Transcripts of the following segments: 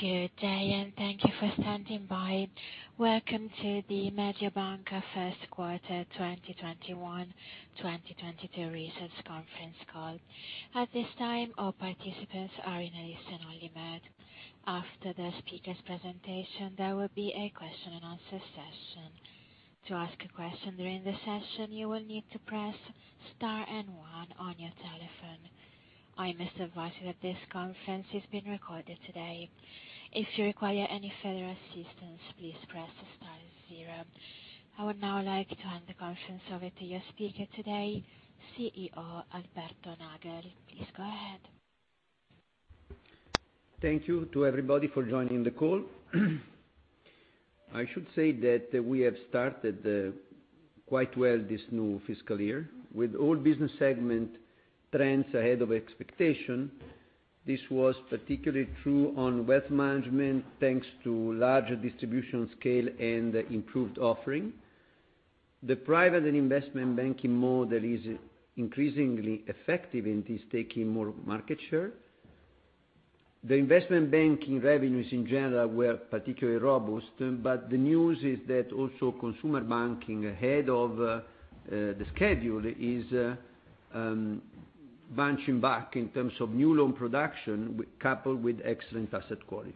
Good day. Thank you for standing by. Welcome to the Mediobanca first quarter 2021/2022 results conference call. At this time, all participants are in a listen-only mode. After the speakers' presentation, there will be a question and answer session. To ask a question during the session, you will need to press Star and One on your telephone. I must advise you that this conference is being recorded today. If you require any further assistance, please press Star Zero. I would now like to hand the conference over to your speaker today, CEO Alberto Nagel. Please go ahead. Thank you to everybody for joining the call. I should say that we have started quite well this new fiscal year, with all business segment trends ahead of expectation. This was particularly true on wealth management, thanks to larger distribution scale and improved offering. The Private and Investment Banking model is increasingly effective and is taking more market share. The Investment Banking revenues in general were particularly robust, the news is that also consumer banking ahead of the schedule is bouncing back in terms of new loan production, coupled with excellent asset quality.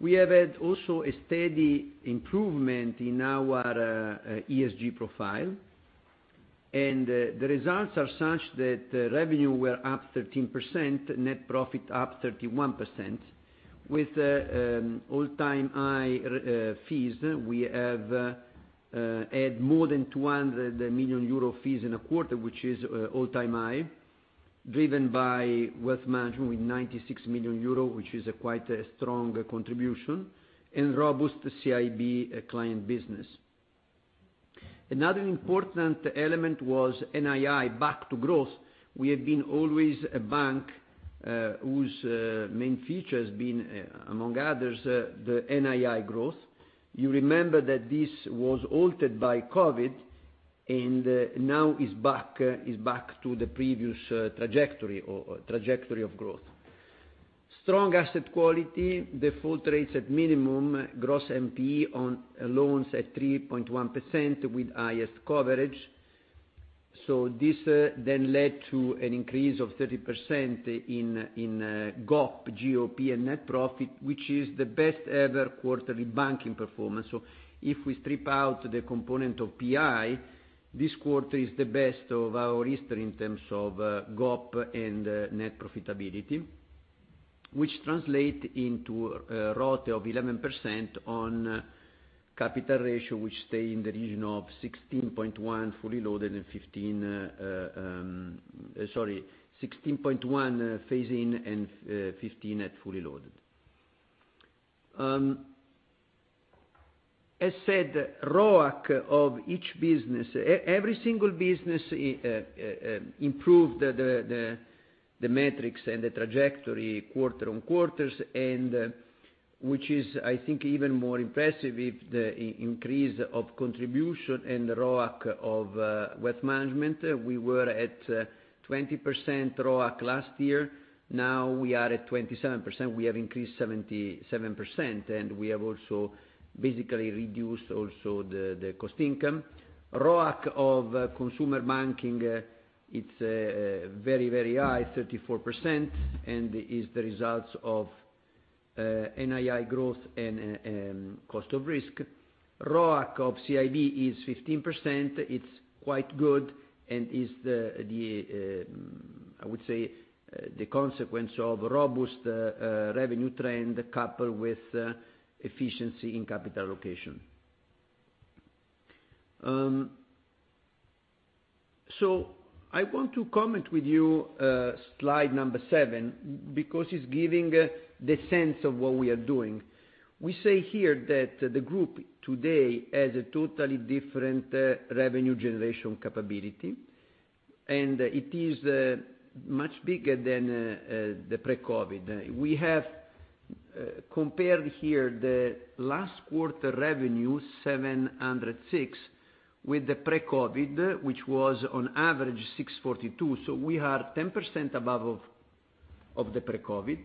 We have had also a steady improvement in our ESG profile. The results are such that revenue were up 13%, net profit up 31% with all-time high fees. We have had more than 200 million euro fees in a quarter, which is all-time high, driven by wealth management with 96 million euros, which is quite a strong contribution, and robust CIB client business. Another important element was NII back to growth. We have been always a bank whose main feature has been, among others, the NII growth. You remember that this was halted by COVID and now is back to the previous trajectory of growth. Strong asset quality, default rates at minimum, gross NPE on loans at 3.1% with highest coverage. This then led to an increase of 30% in GOP and net profit, which is the best-ever quarterly banking performance. If we strip out the component of PI, this quarter is the best of our history in terms of GOP and net profitability, which translate into a ROTE of 11% on capital ratio, which stay in the region of 16.1% phase-in and 15% at fully loaded. As said, ROAC of each business, every single business improved the metrics and the trajectory quarter-on-quarter, which is, I think, even more impressive if the increase of contribution and ROAC of wealth management. We were at 20% ROAC last year. Now we are at 27%. We have increased 77% and we have also basically reduced also the cost income. ROAC of consumer banking, it's very, very high, 34%, and is the results of NII growth and cost of risk. ROAC of CIB is 15%. It's quite good and is, I would say, the consequence of robust revenue trend coupled with efficiency in capital allocation. I want to comment with you slide number seven, because it's giving the sense of what we are doing. We say here that the group today has a totally different revenue generation capability, and it is much bigger than the pre-COVID. We have compared here the last quarter revenue, 706, with the pre-COVID, which was on average 642. We are 10% above of the pre-COVID.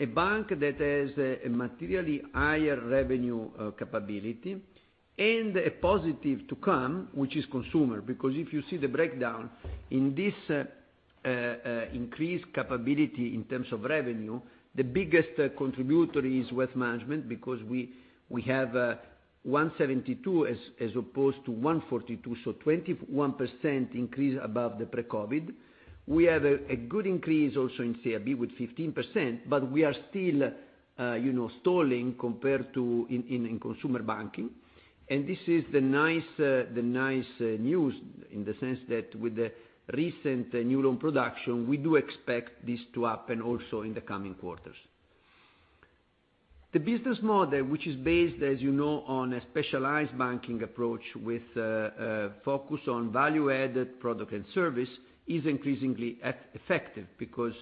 A bank that has a materially higher revenue capability and a positive to come, which is consumer, because if you see the breakdown, in this increased capability in terms of revenue, the biggest contributor is wealth management, because we have 172 as opposed to 142, so 21% increase above the pre-COVID. We have a good increase also in CIB with 15%, but we are still stalling compared to in consumer banking. This is the nice news in the sense that with the recent new loan production, we do expect this to happen also in the coming quarters. The business model, which is based, as you know, on a specialized banking approach with a focus on value-added product and service, is increasingly effective because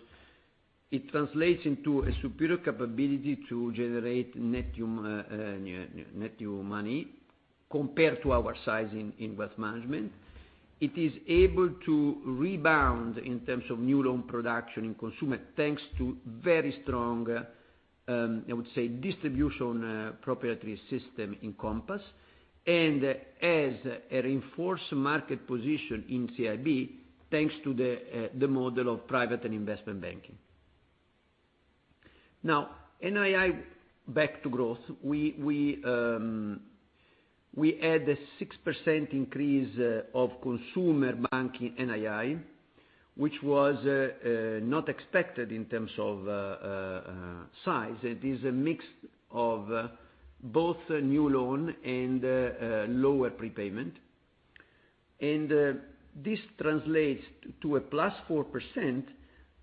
it translates into a superior capability to generate net new money. Compared to our size in wealth management, it is able to rebound in terms of new loan production in consumer, thanks to very strong, I would say, distribution proprietary system in Compass, and has a reinforced market position in CIB, thanks to the model of private and investment banking. NII back to growth. We had a 6% increase of consumer banking NII, which was not expected in terms of size. It is a mix of both new loan and lower prepayment. This translates to a +4%,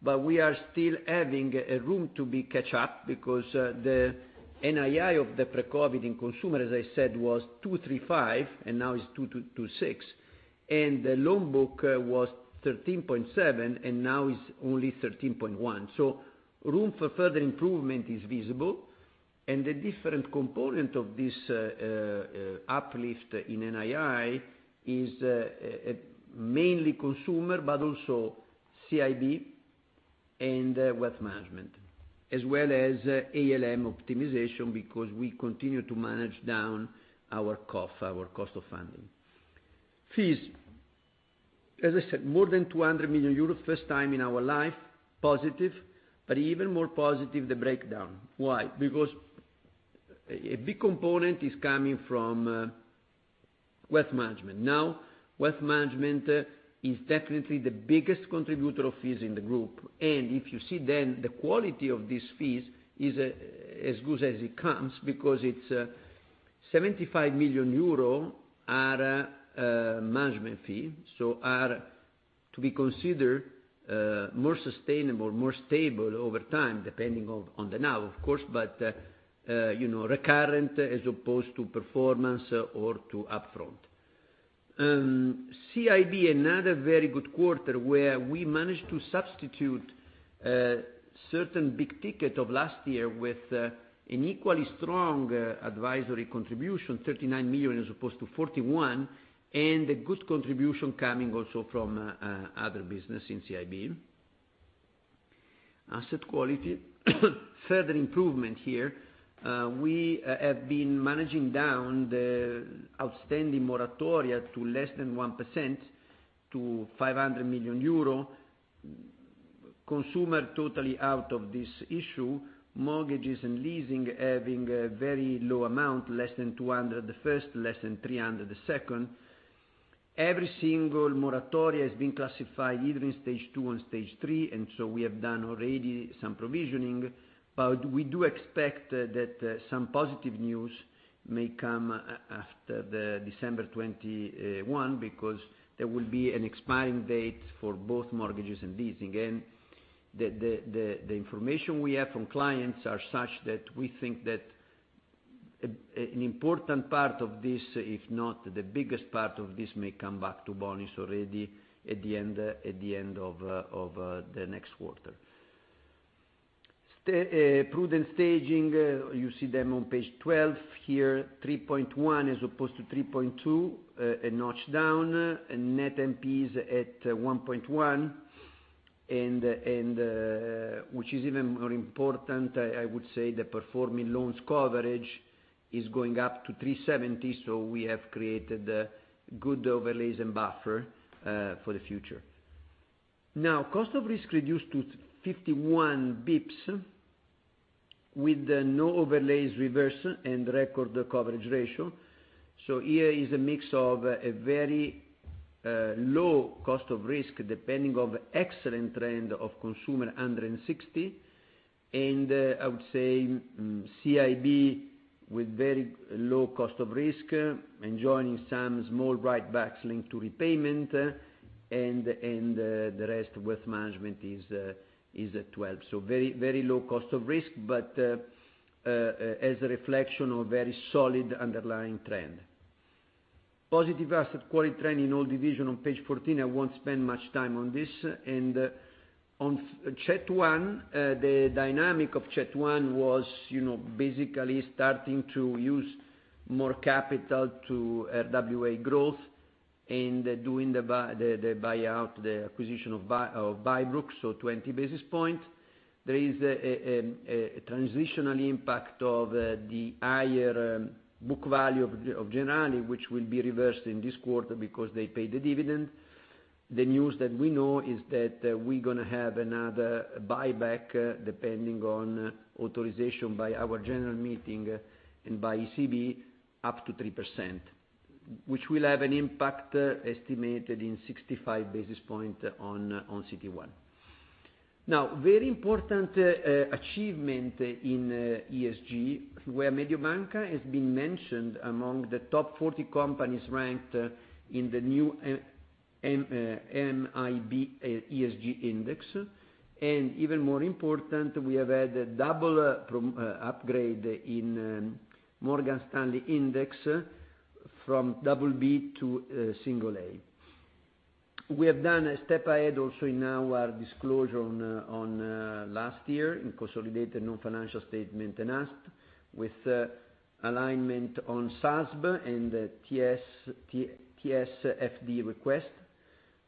but we are still having a room to be catch up because the NII of the pre-COVID in consumer, as I said, was 235, and now it's 226. The loan book was 13.7 billion, and now is only 13.1 billion. Room for further improvement is visible. The different component of this uplift in NII is mainly consumer, but also CIB and wealth management, as well as ALM optimization, because we continue to manage down our COF, our cost of funding. Fees, as I said, more than 200 million euros, first time in our life, positive, but even more positive the breakdown. Why? Because a big component is coming from wealth management. Wealth management is definitely the biggest contributor of fees in the group. If you see then the quality of these fees is as good as it comes because 75 million euro are management fee, so are to be considered more sustainable, more stable over time, depending on the now, of course, but recurrent as opposed to performance or to upfront. CIB, another very good quarter where we managed to substitute certain big-ticket of last year with an equally strong advisory contribution, 39 million as opposed to 41 million, and a good contribution coming also from other business in CIB. Asset quality, further improvement here. We have been managing down the outstanding moratoria to less than 1%, to 500 million euro. consumer totally out of this issue. Mortgages and leasing having a very low amount, less than 200 million, the first, less than 300 million, the second. Every single moratoria has been classified either in stage 2 and stage 3, we have done already some provisioning. We do expect that some positive news may come after the December 21, because there will be an expiring date for both mortgages and leasing. The information we have from clients are such that we think that an important part of this, if not the biggest part of this, may come back to bonis already at the end of the next quarter. Prudent staging, you see them on page 12 here, 3.1 as opposed to 3.2, a notch down. Net NPEs at 1.1, which is even more important, I would say the performing loans coverage is going up to 370, we have created good overlays and buffer for the future. Cost of risk reduced to 51 basis points, with no overlays reversed and record coverage ratio. Here is a mix of a very low cost of risk, depending of excellent trend of consumer under 60. I would say CIB with very low cost of risk, enjoying some small write-backs linked to repayment, the rest wealth management is at 12. Very low cost of risk, as a reflection of very solid underlying trend. Positive asset quality trend in all division on page 14. I won't spend much time on this. On CET1, the dynamic of CET1 was basically starting to use more capital to RWA growth and doing the buyout, the acquisition of Bybrook, 20 basis points. There is a transitional impact of the higher book value of Generali, which will be reversed in this quarter because they paid the dividend. The news that we know is that we're going to have another buyback, depending on authorization by our general meeting and by ECB, up to 3%, which will have an impact estimated in 65 basis points on CET1. Very important achievement in ESG, where Mediobanca has been mentioned among the top 40 companies ranked in the new MIB ESG Index. Even more important, we have had a double upgrade in Morgan Stanley index from double B to single A. We have done a step ahead also in our disclosure on last year in consolidated non-financial statement and asked with alignment on SASB and TCFD request.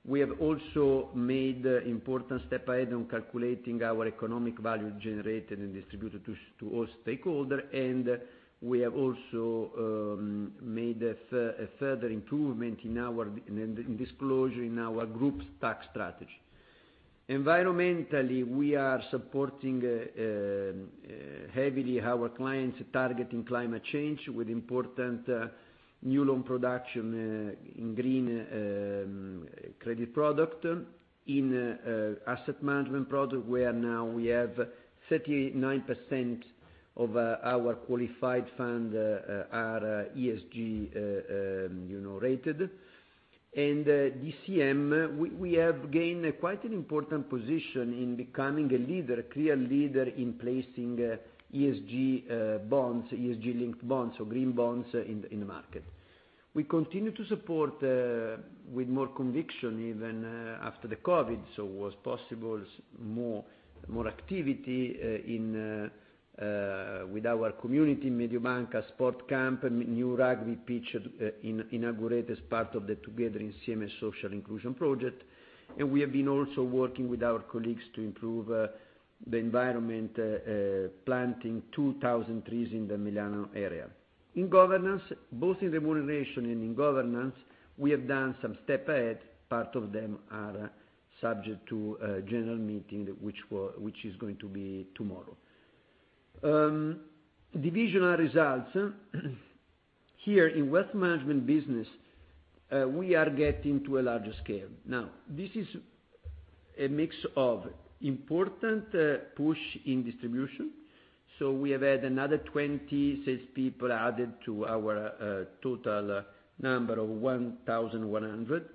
We have also made important step ahead on calculating our economic value generated and distributed to all stakeholder, we have also made a further improvement in disclosure in our group's tax strategy. Environmentally, we are supporting heavily our clients targeting climate change with important new loan production in green credit product, in asset management product, where now we have 39% of our qualified fund are ESG rated. DCM, we have gained quite an important position in becoming a leader, clear leader in placing ESG bonds, ESG-linked bonds or green bonds in the market. We continue to support with more conviction, even after the COVID, so was possible more activity with our community, Mediobanca Sport Camp, new rugby pitch inaugurated as part of the Together in CMS social inclusion project. We have been also working with our colleagues to improve the environment, planting 2,000 trees in the Milano area. In governance, both in remuneration and in governance, we have done some step ahead. Part of them are subject to a general meeting, which is going to be tomorrow. Divisional results. Here in wealth management business, we are getting to a larger scale. This is a mix of important push in distribution. We have had another 20 salespeople added to our total number of 1,100.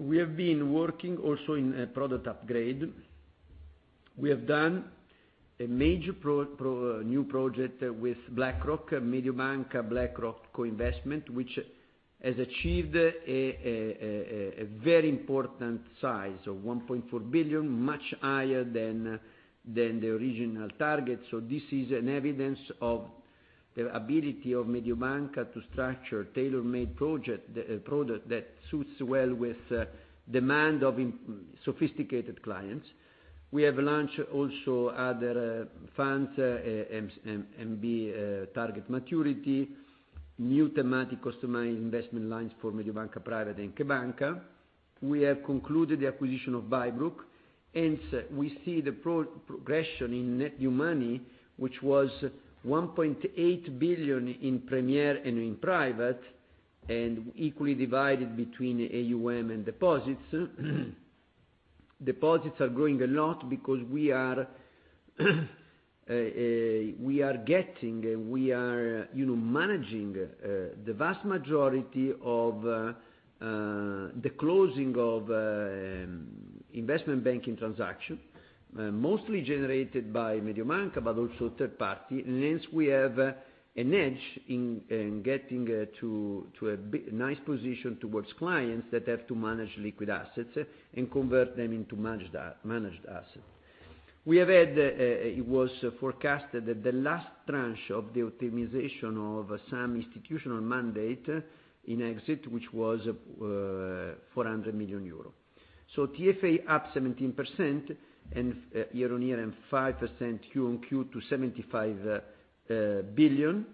We have been working also in a product upgrade. We have done a major new project with BlackRock, Mediobanca BlackRock Co-Investments, which has achieved a very important size of 1.4 billion, much higher than the original target. This is an evidence of the ability of Mediobanca to structure tailor-made product that suits well with demand of sophisticated clients. We have launched also other funds, MB Target Maturity, new thematic customized investment lines for Mediobanca Private and CheBanca!. We have concluded the acquisition of Bybrook, we see the progression in net new money, which was 1.8 billion in Premier and in Private, and equally divided between AUM and deposits. Deposits are growing a lot because we are managing the vast majority of the closing of investment banking transaction, mostly generated by Mediobanca, but also third party. We have an edge in getting to a nice position towards clients that have to manage liquid assets and convert them into managed assets. It was forecasted that the last tranche of the optimization of some institutional mandate in exit, which was 400 million euro. TFA up 17% year-on-year, and 5% Q-on-Q to 75 billion,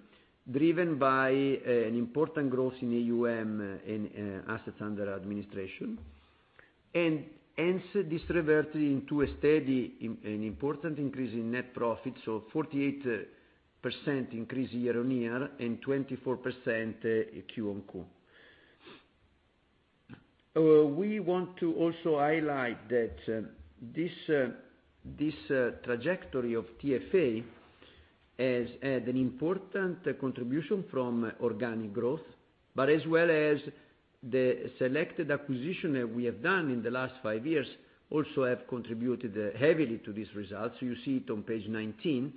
driven by an important growth in AUM, in assets under administration, and this reverted into a steady and important increase in net profit. 48% increase year-on-year and 24% Q-on-Q. We want to also highlight that this trajectory of TFA has had an important contribution from organic growth, as well as the selected acquisition that we have done in the last five years also have contributed heavily to these results. You see it on page 19,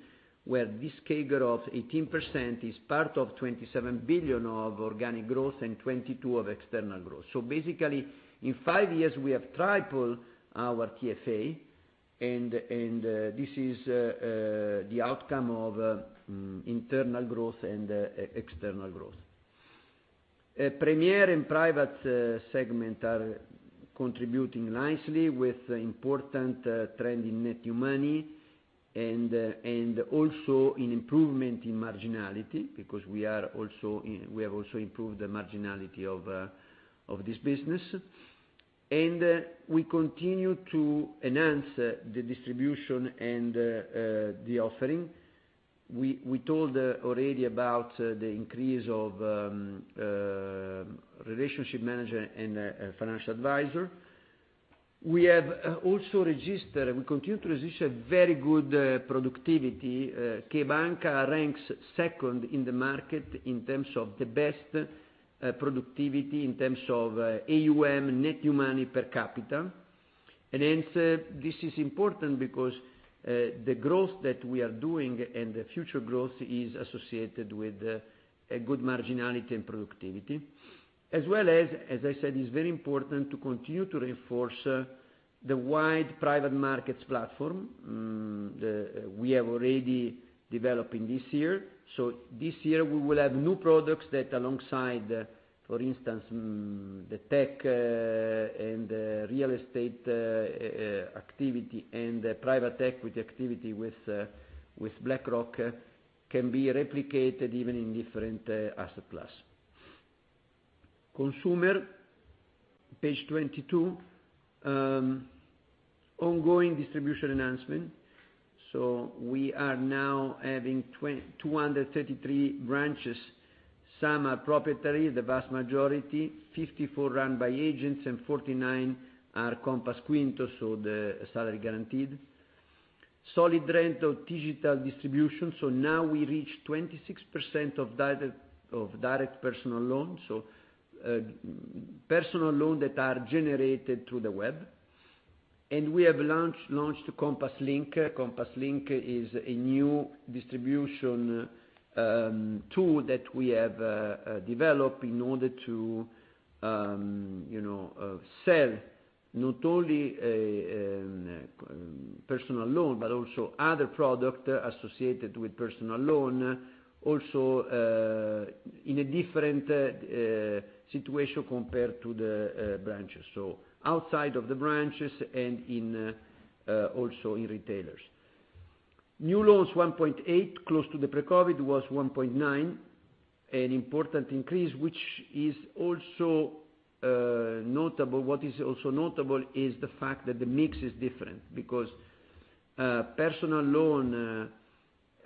where this CAGR of 18% is part of 27 billion of organic growth and 22 of external growth. Basically, in five years, we have tripled our TFA, and this is the outcome of internal growth and external growth. Premier and Private segment are contributing nicely with important trend in net new money and also in improvement in marginality, because we have also improved the marginality of this business. We continue to enhance the distribution and the offering. We told already about the increase of relationship manager and financial advisor. We continue to register very good productivity. CheBanca! CheBanca! ranks second in the market in terms of the best productivity, in terms of AUM, net new money per capita. This is important because the growth that we are doing and the future growth is associated with a good marginality and productivity. As well as I said, it's very important to continue to reinforce the wide private markets platform we have already developed in this year. This year we will have new products that alongside, for instance, the tech and the real estate activity and the private equity activity with BlackRock, can be replicated even in different asset class. Consumer, page 22. Ongoing distribution announcement. We are now having 233 branches. Some are proprietary, the vast majority, 54 run by agents and 49 are Compass Quinto, the salary guaranteed. Solid rate of digital distribution. Now we reach 26% of direct personal loans. Personal loan that are generated through the web. And we have launched Compass Link. Compass Link is a new distribution tool that we have developed in order to sell not only personal loan, but also other product associated with personal loan, also in a different situation compared to the branches. Outside of the branches and also in retailers. New loans 1.8, close to the pre-COVID was 1.9. An important increase, what is also notable is the fact that the mix is different, because personal loan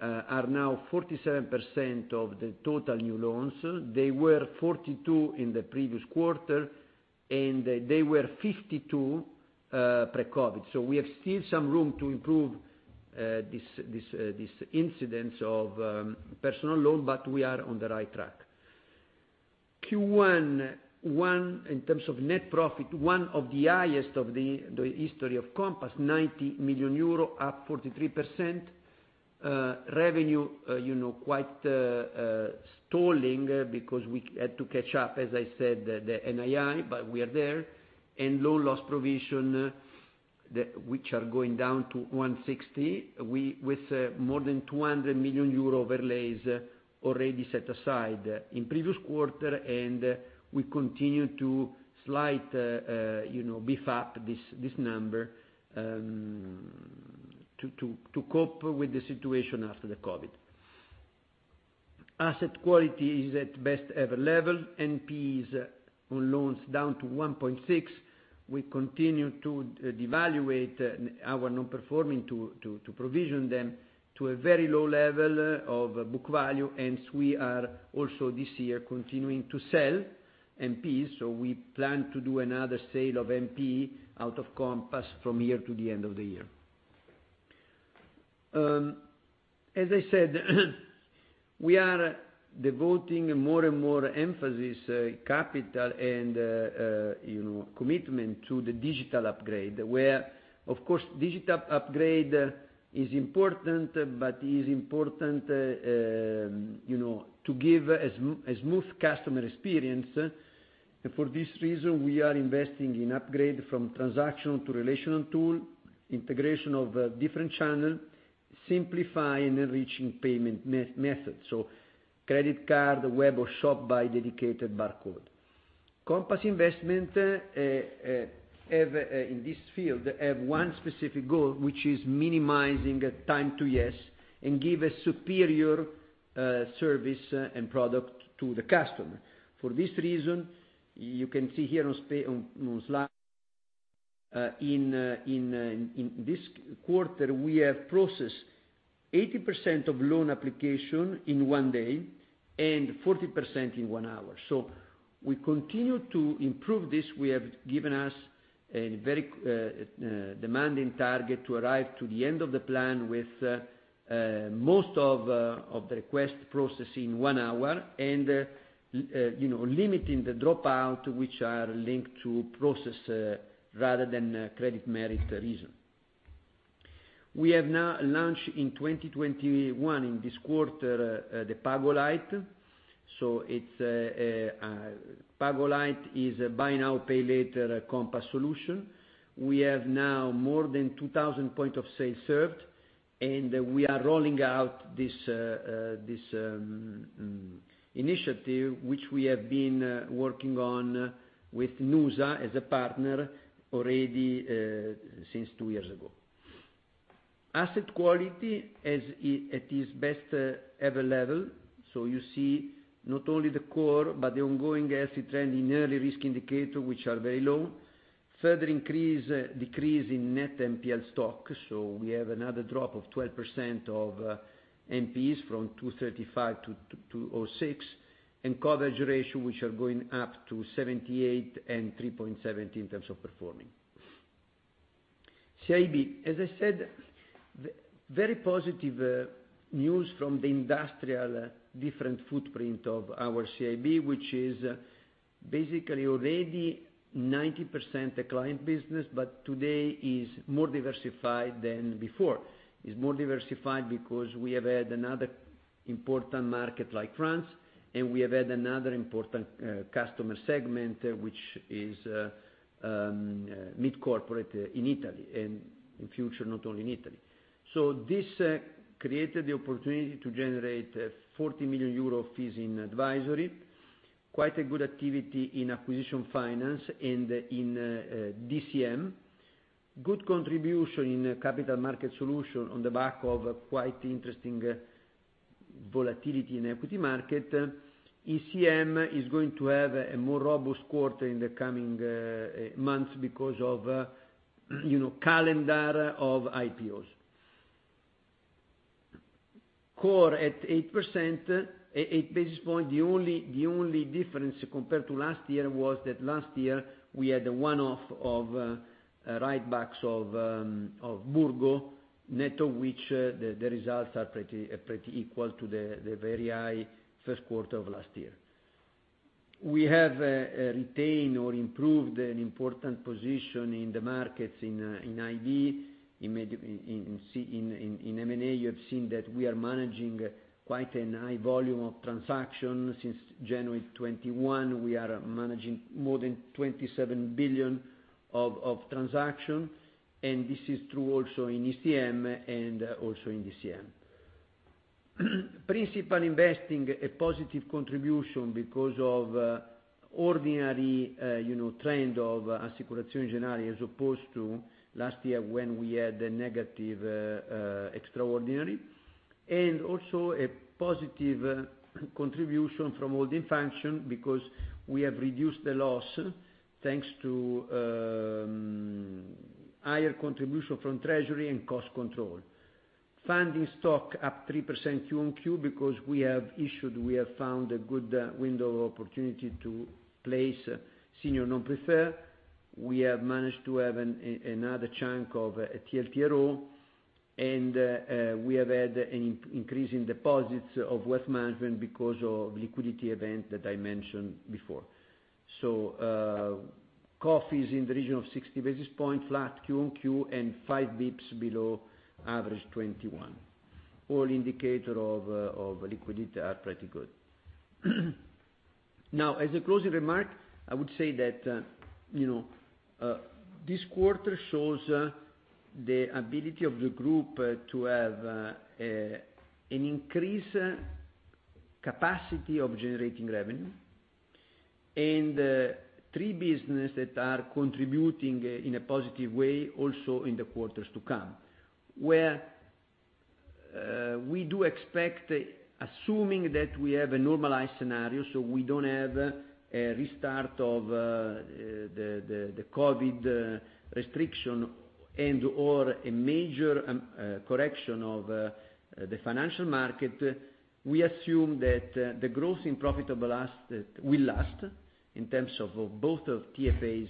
are now 47% of the total new loans. They were 42% in the previous quarter, and they were 52% pre-COVID. We have still some room to improve this incidence of personal loan, but we are on the right track. Q1, in terms of net profit, one of the highest of the history of Compass, 90 million euro, up 43%. Revenue, quite stalling because we had to catch up, as I said, the NII, but we are there. Loan loss provision, which are going down to 160 million, with more than 200 million euro overlays already set aside in previous quarter, and we continue to slight beef up this number to cope with the situation after the COVID. Asset quality is at best ever level, NPEs on loans down to 1.6%. We continue to devalue our non-performing to provision them to a very low level of book value, and we are also this year continuing to sell NPEs. We plan to do another sale of NPE out of Compass from here to the end of the year. As I said, we are devoting more and more emphasis, capital and commitment to the digital upgrade, where of course, digital upgrade is important, but is important to give a smooth customer experience. For this reason, we are investing in upgrade from transactional to relational tool, integration of different channel, simplifying and enriching payment methods. Credit card, web or shop by dedicated barcode. Compass investment, in this field, have one specific goal, which is minimizing time to yes, and give a superior service and product to the customer. For this reason, you can see here on slide, in this quarter, we have processed 80% of loan application in one day and 40% in one hour. We continue to improve this. We have given us a very demanding target to arrive to the end of the plan with most of the request processed in one hour and limiting the dropout, which are linked to process rather than credit merit reason. We have now launched in 2021, in this quarter, the PagoLight. PagoLight is a Buy Now Pay Later Compass solution. We have now more than 2,000 point of sale served, and we are rolling out this initiative, which we have been working on with Nuza as a partner already since two years ago. Asset quality at its best ever level. You see not only the core, but the ongoing asset trend in early risk indicator, which are very low. Further decrease in net NPL stock. We have another drop of 12% of NPEs from 235 million to 206 million. Coverage ratio, which are going up to 78 and 3.17 in terms of performing. CIB, as I said, very positive news from the industrial different footprint of our CIB, which is basically already 90% a client business, but today is more diversified than before. Is more diversified because we have added another important market like France, and we have added another important customer segment, which is mid-corporate in Italy, and in future, not only in Italy. This created the opportunity to generate 40 million euro fees in advisory, quite a good activity in acquisition finance and in DCM. Good contribution in capital market solution on the back of quite interesting volatility in equity market. ECM is going to have a more robust quarter in the coming months because of calendar of IPOs. Core at 8%, 8 basis points. The only difference compared to last year was that last year we had a one-off of write-backs of Burgo, net of which the results are pretty equal to the very high first quarter of last year. We have retained or improved an important position in the markets in IB. In M&A, you have seen that we are managing quite a high volume of transactions. Since January 2021, we are managing more than 27 billion of transactions, and this is true also in ECM and also in DCM. Principal investing, a positive contribution because of ordinary trend of Assicurazioni Generali, as opposed to last year when we had a negative extraordinary. Also a positive contribution from holding function because we have reduced the loss, thanks to higher contribution from treasury and cost control. Funding stock up 3% Q-on-Q because we have issued, we have found a good window of opportunity to place senior non-preferred. We have managed to have another chunk of TLTRO, and we have had an increase in deposits of wealth management because of liquidity event that I mentioned before. COF is in the region of 60 basis points flat Q-on-Q and 5 basis points below average 2021. All indicators of liquidity are pretty good. As a closing remark, I would say that this quarter shows the ability of the group to have an increased capacity of generating revenue, and three businesses that are contributing in a positive way also in the quarters to come. Where we do expect, assuming that we have a normalized scenario, so we don't have a restart of the COVID restriction and/or a major correction of the financial market, we assume that the growth in profitability will last in terms of both TFAs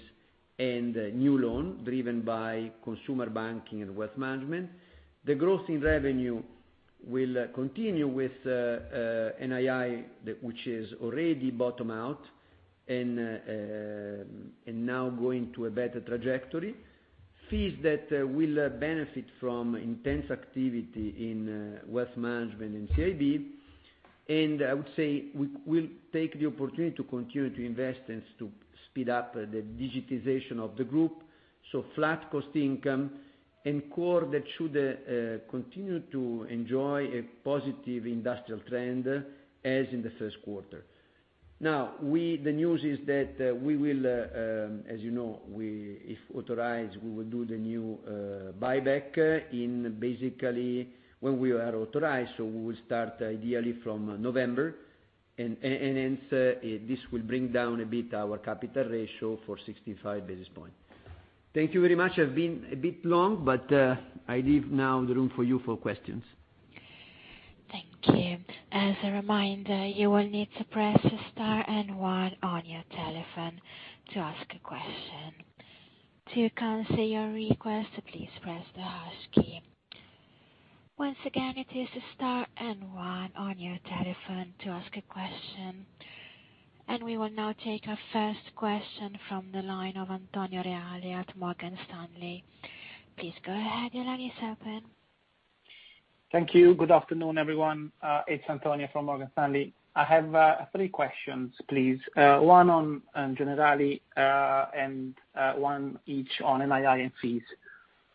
and new loans driven by consumer banking and wealth management. The growth in revenue will continue with NII, which is already bottomed out, and now going to a better trajectory. Fees that will benefit from intense activity in wealth management and CIB. I would say we will take the opportunity to continue to invest and to speed up the digitization of the group. Flat cost income and core that should continue to enjoy a positive industrial trend as in the first quarter. The news is that we will, as you know, if authorized, we will do the new buyback basically when we are authorized. We will start ideally from November, hence this will bring down a bit our capital ratio for 65 basis points. Thank you very much. I leave now the room for you for questions. Thank you. As a reminder, you will need to press star and one on your telephone to ask a question. To cancel your request, please press the hash key. Once again, it is star and one on your telephone to ask a question. We will now take our first question from the line of Antonio Reale at Morgan Stanley. Please go ahead, your line is open. Thank you. Good afternoon, everyone. It's Antonio from Morgan Stanley. I have three questions, please. One on Generali, one each on NII and fees,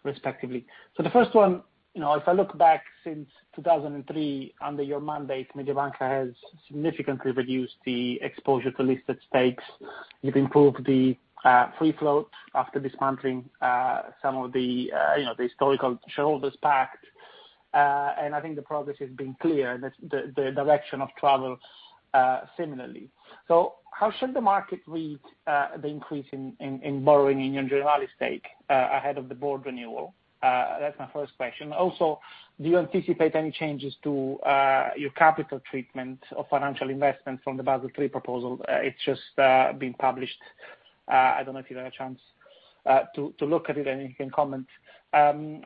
respectively. The first one, if I look back since 2003, under your mandate, Mediobanca has significantly reduced the exposure to listed stakes. You've improved the free float after dismantling some of the historical shareholders pact. I think the progress has been clear, the direction of travel similarly. How should the market read the increase in borrowing in your Generali stake, ahead of the board renewal? That's my first question. Also, do you anticipate any changes to your capital treatment of financial investment from the Basel III proposal? It's just been published. I don't know if you've had a chance to look at it and you can comment.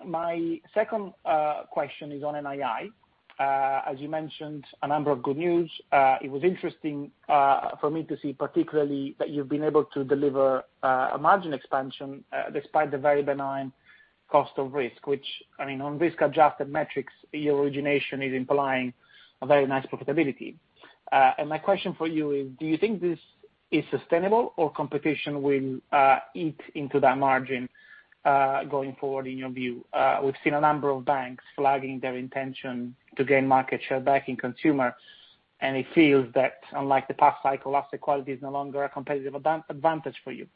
My second question is on NII. As you mentioned, a number of good news. It was interesting for me to see particularly that you've been able to deliver a margin expansion despite the very benign cost of risk, which, on risk-adjusted metrics, your origination is implying a very nice profitability. My question for you is, do you think this is sustainable or competition will eat into that margin going forward in your view? We've seen a number of banks flagging their intention to gain market share back in consumer, it feels that unlike the past cycle, asset quality is no longer a competitive advantage for you.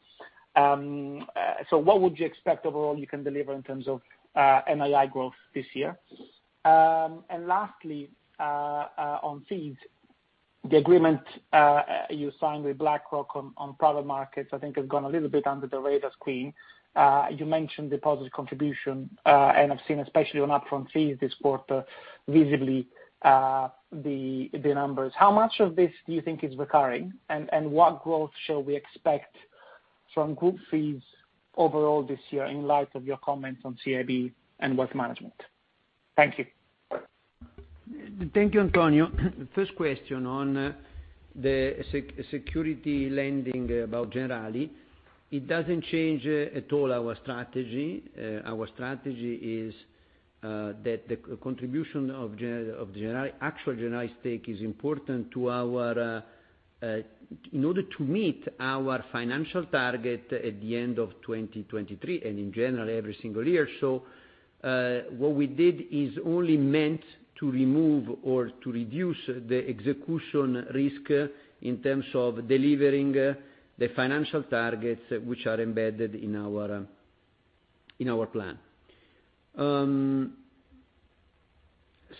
What would you expect overall you can deliver in terms of NII growth this year? Lastly, on fees, the agreement you signed with BlackRock on private markets, I think has gone a little bit under the radar screen. You mentioned deposit contribution, I've seen, especially on upfront fees this quarter, visibly the numbers. How much of this do you think is recurring, and what growth shall we expect from group fees overall this year in light of your comments on CIB and wealth management? Thank you. Thank you, Antonio. First question on the security lending about Generali. It doesn't change at all our strategy. Our strategy is that the contribution of actual Generali stake is important in order to meet our financial target at the end of 2023, and in general, every single year. What we did is only meant to remove or to reduce the execution risk in terms of delivering the financial targets, which are embedded in our plan.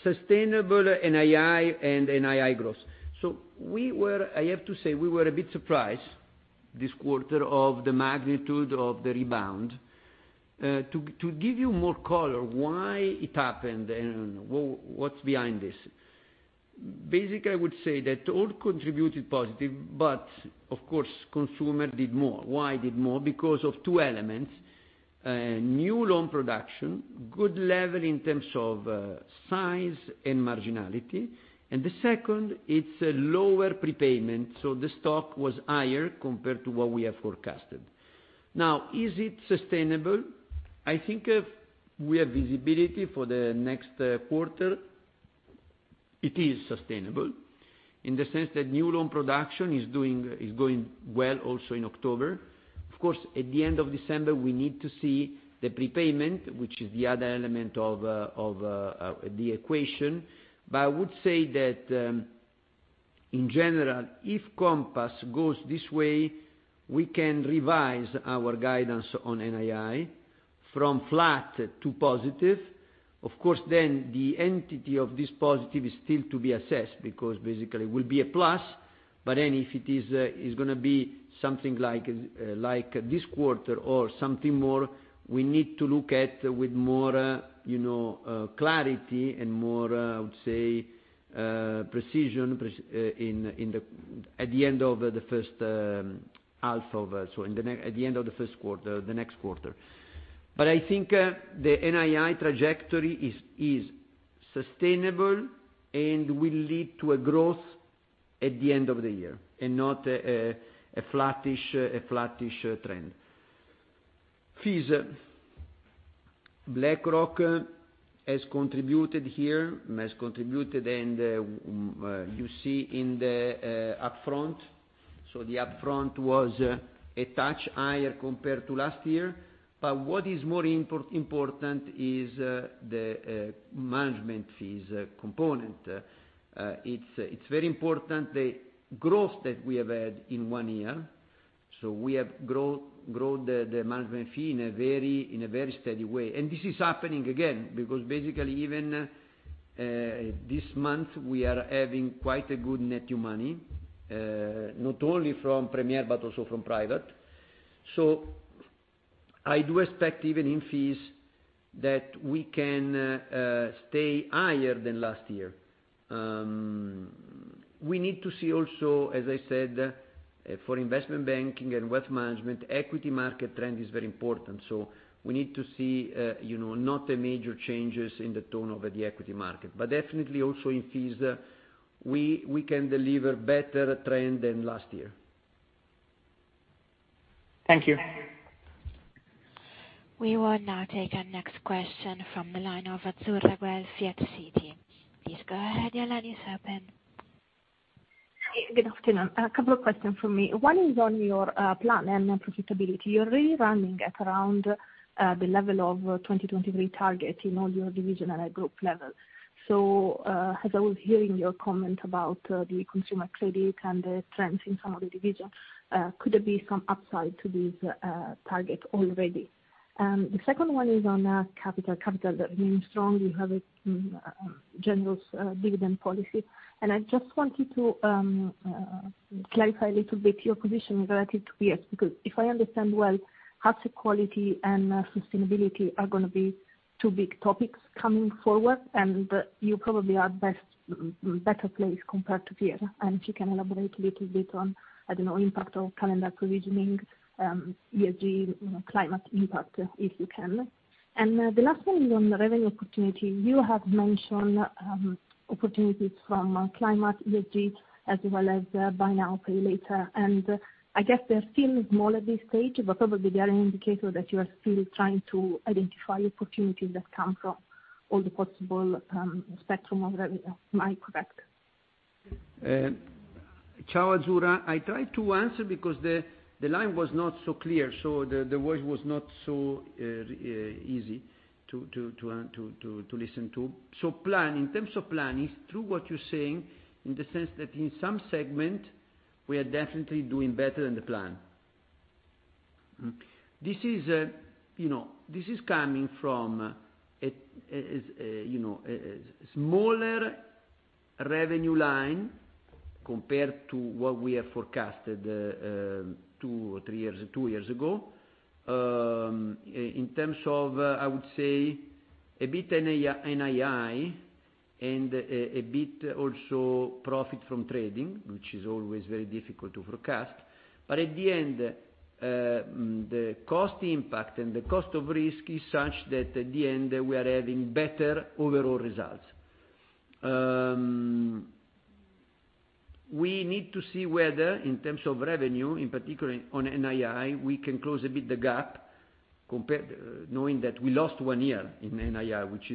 Sustainable NII and NII growth. I have to say, we were a bit surprised this quarter of the magnitude of the rebound. To give you more color why it happened and what's behind this, basically, I would say that all contributed positive, but of course, consumer did more. Why it did more, because of two elements. New loan production, good level in terms of size and marginality. The second, it's a lower prepayment, the stock was higher compared to what we have forecasted. Now, is it sustainable? I think if we have visibility for the next quarter, it is sustainable in the sense that new loan production is going well also in October. Of course, at the end of December, we need to see the prepayment, which is the other element of the equation. I would say that, in general, if Compass goes this way, we can revise our guidance on NII from flat to positive. Of course, the entity of this positive is still to be assessed because basically will be a plus. If it is going to be something like this quarter or something more, we need to look at with more clarity and more, I would say, precision at the end of the first quarter, the next quarter. I think the NII trajectory is sustainable and will lead to a growth at the end of the year, and not a flattish trend. Fees. BlackRock has contributed here, and you see in the upfront. The upfront was a touch higher compared to last year. What is more important is the management fees component. It's very important, the growth that we have had in one year. We have grown the management fee in a very steady way. This is happening again, because basically, even this month, we are having quite a good net new money, not only from Premier, but also from private. I do expect even in fees that we can stay higher than last year. We need to see also, as I said, for investment banking and wealth management, equity market trend is very important. We need to see not a major changes in the tone of the equity market, but definitely also in fees, we can deliver better trend than last year. Thank you. We will now take our next question from the line of Azzurra, Citigroup. Please go ahead, your line is open. Good afternoon. A couple of questions from me. One is on your plan and profitability. You're really running at around the level of 2023 target in all your division at a group level. As I was hearing your comment about the consumer credit and the trends in some of the divisions, could there be some upside to this target already? The second one is on capital. Capital remains strong. You have a generous dividend policy. I just wanted to clarify a little bit your position relative to BS, because if I understand well, asset quality and sustainability are going to be two big topics coming forward, and you probably are at a better place compared to peer. If you can elaborate a little bit on, I don't know, impact of calendar provisioning, ESG, climate impact, if you can. The last one is on the revenue opportunity. You have mentioned opportunities from climate, ESG, as well as buy now, pay later. I guess they're still small at this stage, but probably they are an indicator that you are still trying to identify opportunities that come from all the possible spectrum of revenue. Am I correct? Ciao, Azzurra. I try to answer because the line was not so clear, so the voice was not so easy to listen to. In terms of plan, it's true what you're saying in the sense that in some segment, we are definitely doing better than the plan. This is coming from a smaller revenue line compared to what we have forecasted two years ago. In terms of, I would say, a bit NII and a bit also profit from trading, which is always very difficult to forecast. At the end, the cost impact and the cost of risk is such that at the end, we are having better overall results. We need to see whether, in terms of revenue, in particular on NII, we can close a bit the gap knowing that we lost one year in NII, which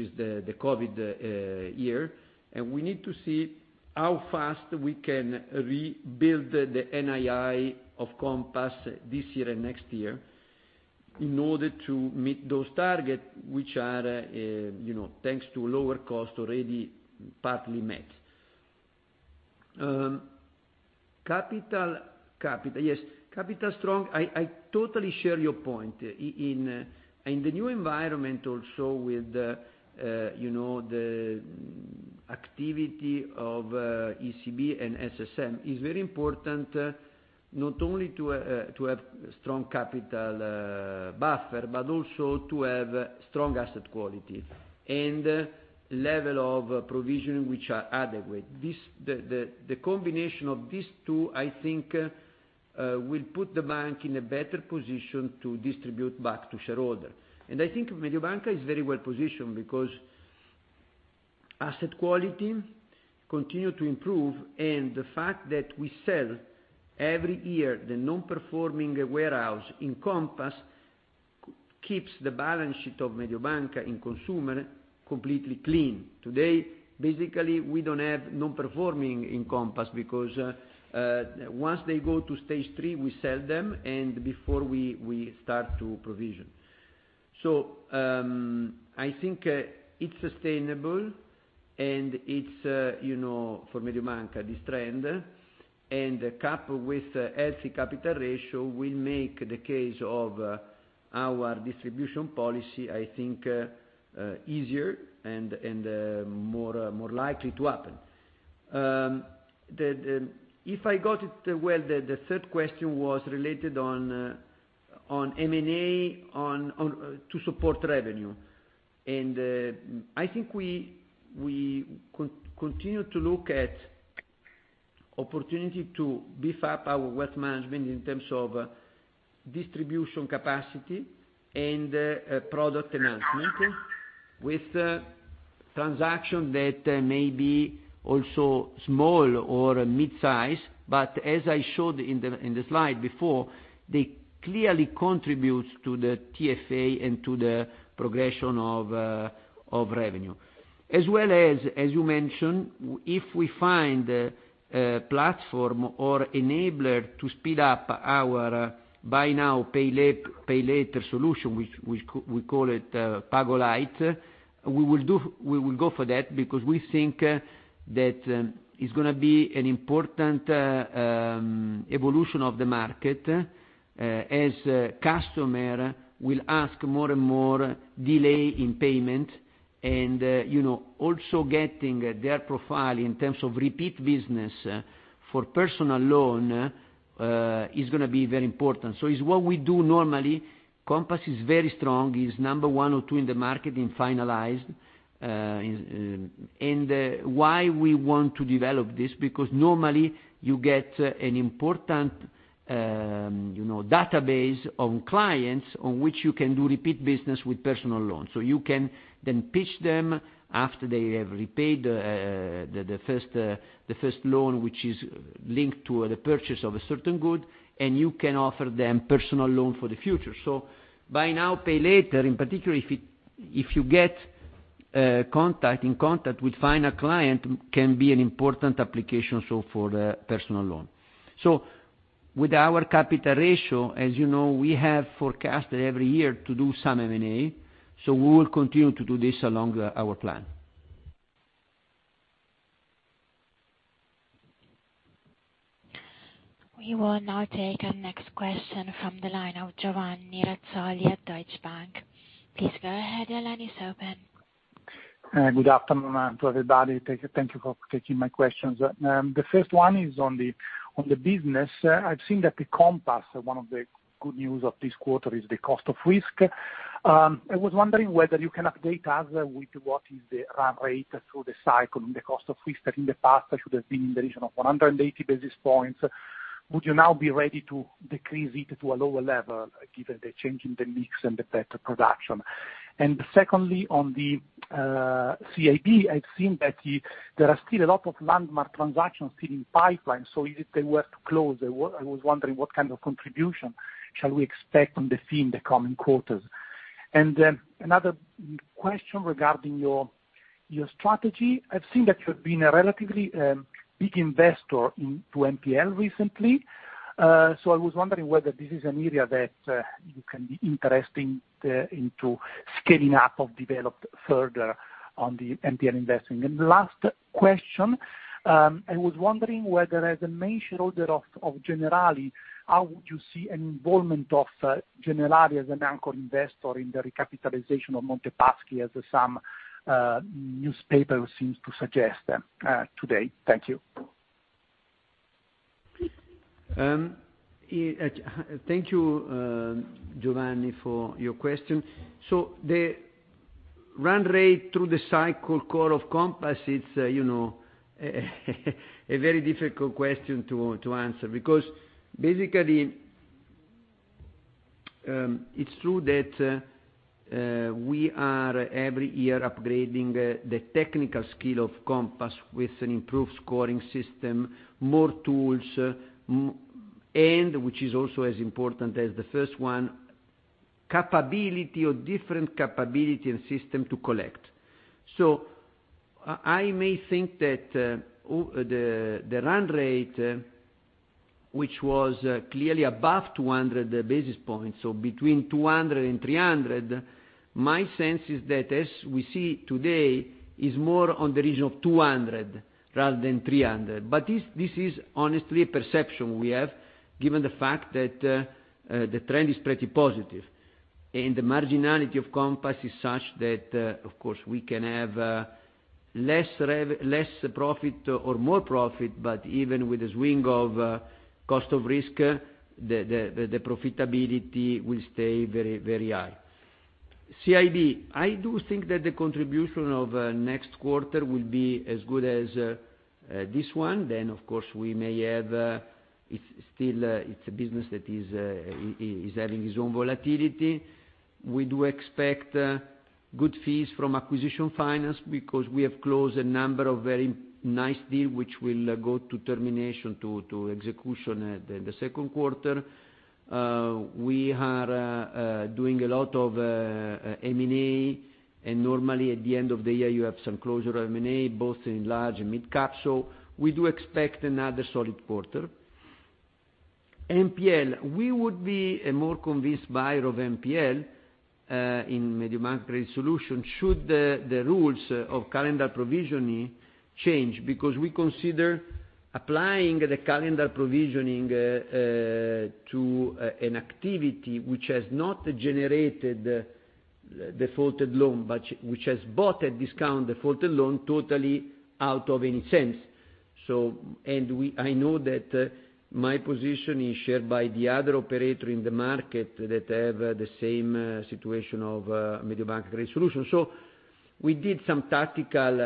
is the COVID year. We need to see how fast we can rebuild the NII of Compass this year and next year in order to meet those targets, which are, thanks to lower cost, already partly met. Capital, yes. Capital strong. I totally share your point. In the new environment, also with the activity of ECB and SSM, it's very important not only to have strong capital buffer, but also to have strong asset quality and level of provision which are adequate. The combination of these two, I think, will put the bank in a better position to distribute back to shareholder. I think Mediobanca is very well-positioned because asset quality continue to improve. The fact that we sell every year the non-performing warehouse in Compass keeps the balance sheet of Mediobanca in consumer completely clean. Today, basically, we don't have non-performing in Compass because once they go to stage 3, we sell them and before we start to provision. I think it's sustainable, for Mediobanca, this trend, and coupled with healthy capital ratio will make the case of our distribution policy, I think, easier and more likely to happen. If I got it well, the third question was related on M&A to support revenue. I think we continue to look at opportunity to beef up our wealth management in terms of distribution capacity and product enhancement with transaction that may be also small or mid-size. As I showed in the slide before, they clearly contribute to the TFA and to the progression of revenue. As well as you mentioned, if we find a platform or enabler to speed up our buy now pay later solution, we call it PagoLight, we will go for that because we think that it's going to be an important evolution of the market as customer will ask more and more delay in payment. Also getting their profile in terms of repeat business for personal loan is going to be very important. It's what we do normally. Compass is very strong. It's number 1 or 2 in the market in finance. Why we want to develop this, because normally you get an important database of clients on which you can do repeat business with personal loans. You can then pitch them after they have repaid the first loan, which is linked to the purchase of a certain good, and you can offer them personal loan for the future. Buy now, pay later, in particular, if you get in contact with final client, can be an important application also for the personal loan. With our capital ratio, as you know, we have forecasted every year to do some M&A, we will continue to do this along our plan. We will now take our next question from the line of Giovanni Razzoli at Deutsche Bank. Please go ahead. Your line is open. Good afternoon to everybody. Thank you for taking my questions. The first one is on the business. I've seen that the Compass, one of the good news of this quarter, is the cost of risk. I was wondering whether you can update us with what is the run rate through the cycle and the cost of risk that in the past should have been in the region of 180 basis points. Would you now be ready to decrease it to a lower level given the change in the mix and the better production? Secondly, on the CIB, I've seen that there are still a lot of landmark transactions still in pipeline, if they were to close, I was wondering what kind of contribution shall we expect on the fee in the coming quarters. Another question regarding your strategy. I've seen that you've been a relatively big investor into NPL recently. I was wondering whether this is an area that you can be interesting into scaling up or developed further on the NPL investing. Last question, I was wondering whether, as a main shareholder of Generali, how would you see an involvement of Generali as an anchor investor in the recapitalization of Monte Paschi, as some newspaper seems to suggest today. Thank you. Please. Thank you, Giovanni, for your question. The run rate through the cycle core of Compass, it's a very difficult question to answer because basically, it's true that we are every year upgrading the technical skill of Compass with an improved scoring system, more tools, and, which is also as important as the first one, capability or different capability and system to collect. I may think that the run rate, which was clearly above 200 basis points, between 200 and 300, my sense is that as we see today, is more on the region of 200 rather than 300. This is honestly a perception we have, given the fact that the trend is pretty positive. The marginality of Compass is such that, of course, we can have less profit or more profit, but even with a swing of cost of risk, the profitability will stay very, very high. CIB, I do think that the contribution of next quarter will be as good as this one. Still, it's a business that is having its own volatility. We do expect good fees from acquisition finance because we have closed a number of very nice deal, which will go to termination to execution at the second quarter. We are doing a lot of M&A, normally at the end of the year, you have some closure of M&A, both in large and mid-caps. We do expect another solid quarter. NPL. We would be a more convinced buyer of NPL in MBCredit Solutions should the rules of calendar provisioning change, because we consider applying the calendar provisioning to an activity which has not generated defaulted loan, but which has bought a discount defaulted loan totally out of any sense. I know that my position is shared by the other operator in the market that have the same situation of MBCredit Solutions. We did some tactical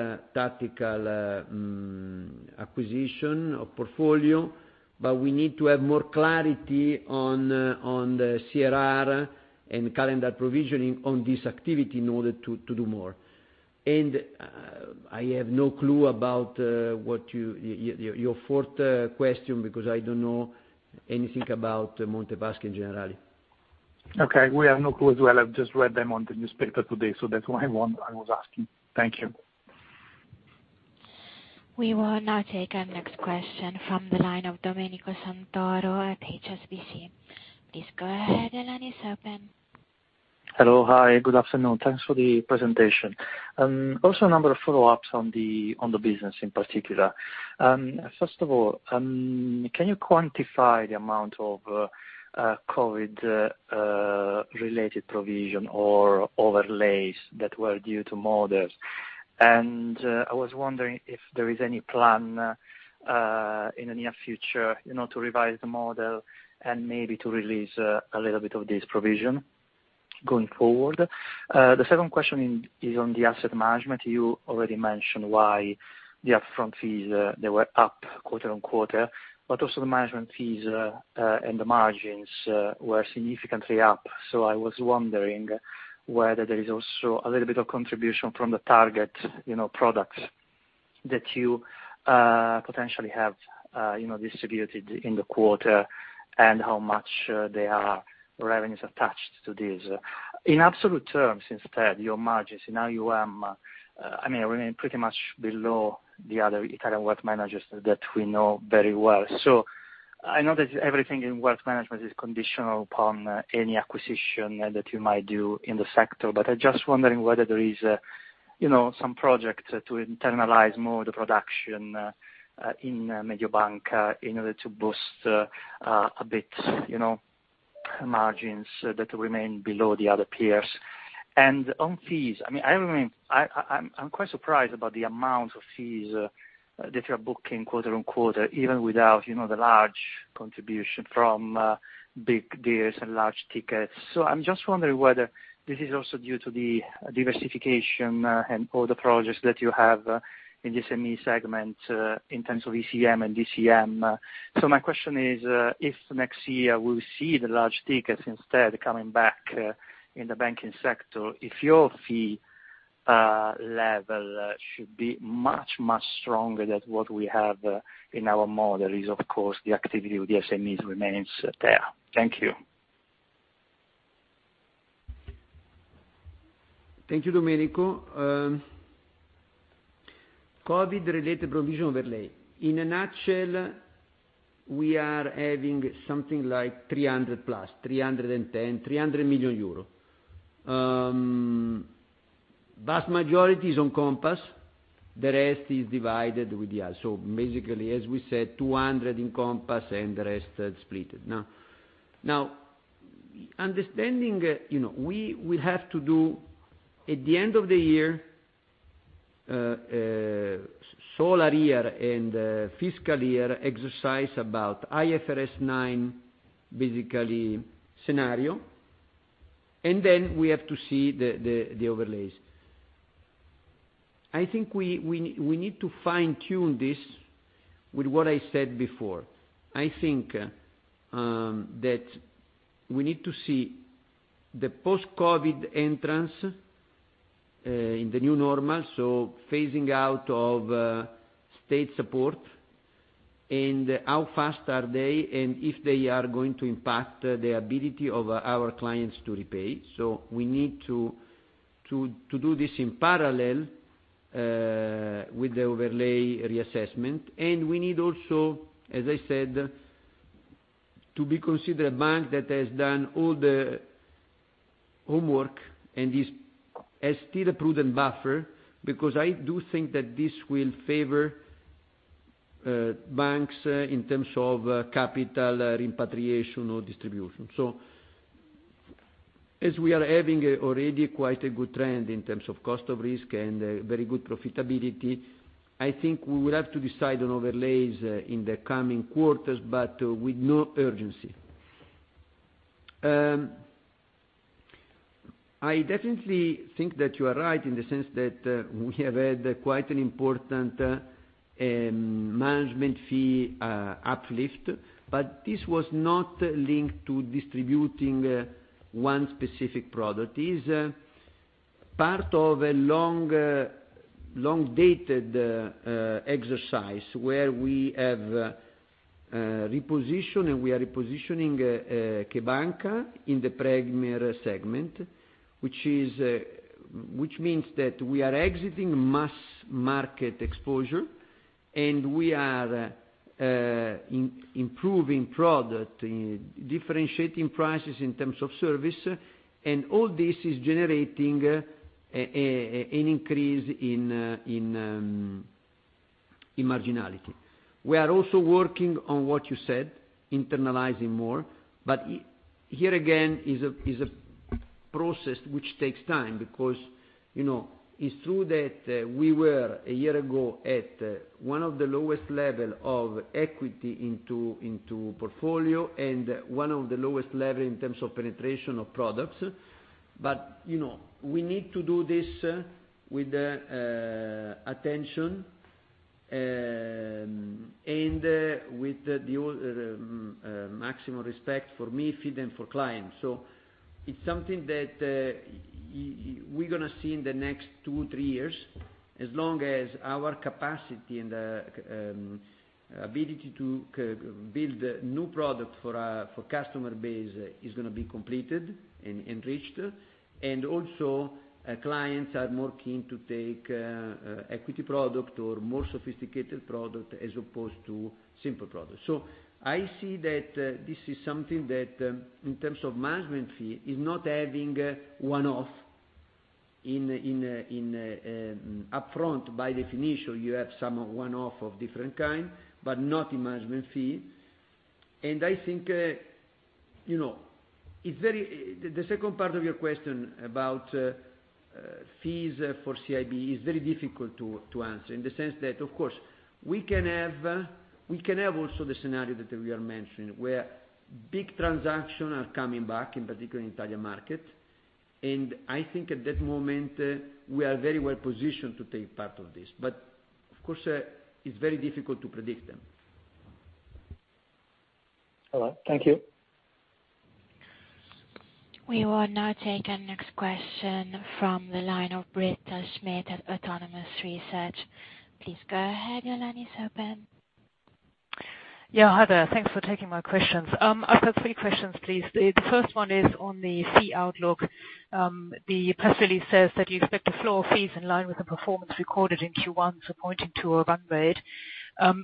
acquisition of portfolio, but we need to have more clarity on the CRR and calendar provisioning on this activity in order to do more. I have no clue about your fourth question, because I don't know anything about Monte Paschi and Generali. Okay. We have no clue as well. I've just read them on the newspaper today. That's why I was asking. Thank you. We will now take our next question from the line of Domenico Santoro at HSBC. Please go ahead, your line is open. Hello. Hi, good afternoon. Thanks for the presentation. A number of follow-ups on the business in particular. First of all, can you quantify the amount of COVID-related provision or overlays that were due to models? I was wondering if there is any plan in the near future to revise the model and maybe to release a little bit of this provision going forward. The second question is on the asset management. You already mentioned why the upfront fees, they were up quarter-on-quarter, but also the management fees and the margins were significantly up. I was wondering whether there is also a little bit of contribution from the target products that you potentially have distributed in the quarter and how much there are revenues attached to this. In absolute terms, instead, your margins, now you are remaining pretty much below the other Italian wealth managers that we know very well. I know that everything in wealth management is conditional upon any acquisition that you might do in the sector, but I'm just wondering whether there is some project to internalize more the production in Mediobanca in order to boost a bit margins that remain below the other peers. On fees, I'm quite surprised about the amount of fees that you are booking quarter-on-quarter, even without the large contribution from big deals and large tickets. I'm just wondering whether this is also due to the diversification and all the projects that you have in the SME segment, in terms of ECM and DCM. My question is, if next year we see the large tickets instead coming back in the banking sector, if your fee level should be much, much stronger than what we have in our model is, of course, the activity with the SMEs remains there. Thank you. Thank you, Domenico. COVID-related provision overlay. In a nutshell, we are having something like 300 plus, 310, 300 million euro. Vast majority is on Compass, the rest is divided with the others. Basically, as we said, 200 in Compass and the rest are split. Now, understanding we have to do, at the end of the year, solar year and fiscal year exercise about IFRS 9, basically scenario, and then we have to see the overlays. I think we need to fine-tune this with what I said before. I think that we need to see the post-COVID entrance in the new normal, so phasing out of state support, and how fast are they, and if they are going to impact the ability of our clients to repay. We need to do this in parallel, with the overlay reassessment. We need also, as I said, to be considered a bank that has done all the homework and has still a prudent buffer, because I do think that this will favor banks in terms of capital repatriation or distribution. As we are having already quite a good trend in terms of cost of risk and very good profitability, I think we will have to decide on overlays in the coming quarters, but with no urgency. I definitely think that you are right in the sense that we have had quite an important management fee uplift, but this was not linked to distributing one specific product. It is part of a long-dated exercise, where we have repositioned, and we are repositioning CheBanca! in the premium segment, which means that we are exiting mass market exposure, and we are improving product, differentiating prices in terms of service, and all this is generating an increase in marginality. We are also working on what you said, internalizing more. Here again is a process which takes time because it's true that we were, a year ago, at one of the lowest levels of equity into portfolio and one of the lowest levels in terms of penetration of products. We need to do this with attention, and with the maximum respect for me, fit and for client. It's something that we're going to see in the next two, three years, as long as our capacity and ability to build new product for our customer base is going to be completed and enriched, also clients are more keen to take equity product or more sophisticated product as opposed to simple product. I see that this is something that, in terms of management fee, is not having one-off in upfront. By definition, you have some one-off of different kind, but not in management fee. I think, the second part of your question about fees for CIB is very difficult to answer in the sense that, of course, we can have also the scenario that we are mentioning, where big transactions are coming back, in particular in Italian market. I think at that moment, we are very well positioned to take part of this. Of course, it's very difficult to predict them. Hello. Thank you. We will now take our next question from the line of Britta Schmidt at Autonomous Research. Please go ahead. Your line is open. Yeah. Hi there. Thanks for taking my questions. I've got three questions, please. The first one is on the fee outlook. The press release says that you expect the flow of fees in line with the performance recorded in Q1, pointing to a run rate.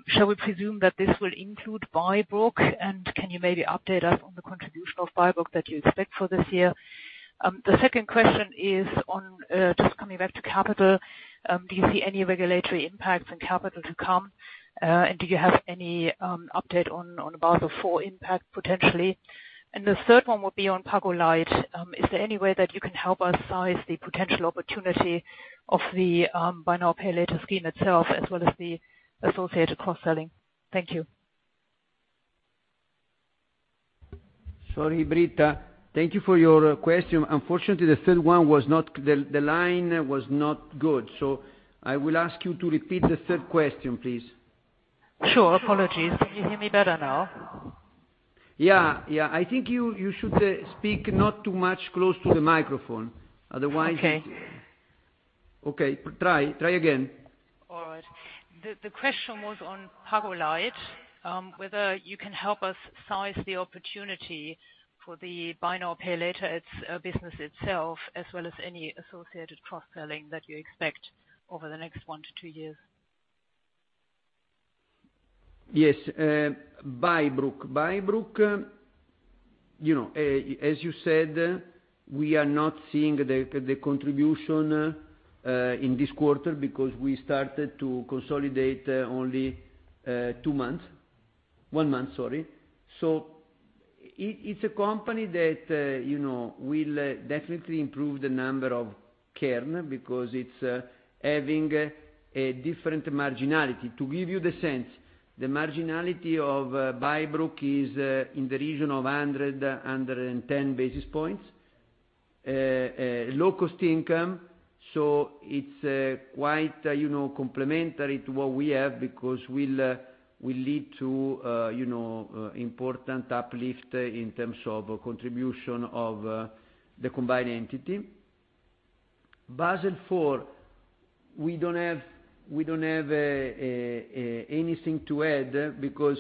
Shall we presume that this will include Bybrook, can you maybe update us on the contribution of Bybrook that you expect for this year? The second question is on, just coming back to capital, do you see any regulatory impacts on capital to come? Do you have any update on Basel IV impact potentially? The third one would be on PagoLight. Is there any way that you can help us size the potential opportunity of the buy now, pay later scheme itself as well as the associated cross-selling? Thank you. Sorry, Britta. Thank you for your question. Unfortunately, the third one, the line was not good. I will ask you to repeat the third question, please. Sure. Apologies. Can you hear me better now? Yeah. I think you should speak not too much close to the microphone, otherwise. Okay. Okay. Try again. All right. The question was on PagoLight, whether you can help us size the opportunity for the buy now, pay later business itself, as well as any associated cross-selling that you expect over the next one to two years. Yes. Bybrook. As you said, we are not seeing the contribution in this quarter because we started to consolidate only two months. One month, sorry. It's a company that will definitely improve the number of Kern because it's having a different marginality. To give you the sense, the marginality of Bybrook is in the region of 100, 110 basis points. Low-cost income, it's quite complementary to what we have because will lead to important uplift in terms of contribution of the combined entity. Basel IV, we don't have anything to add because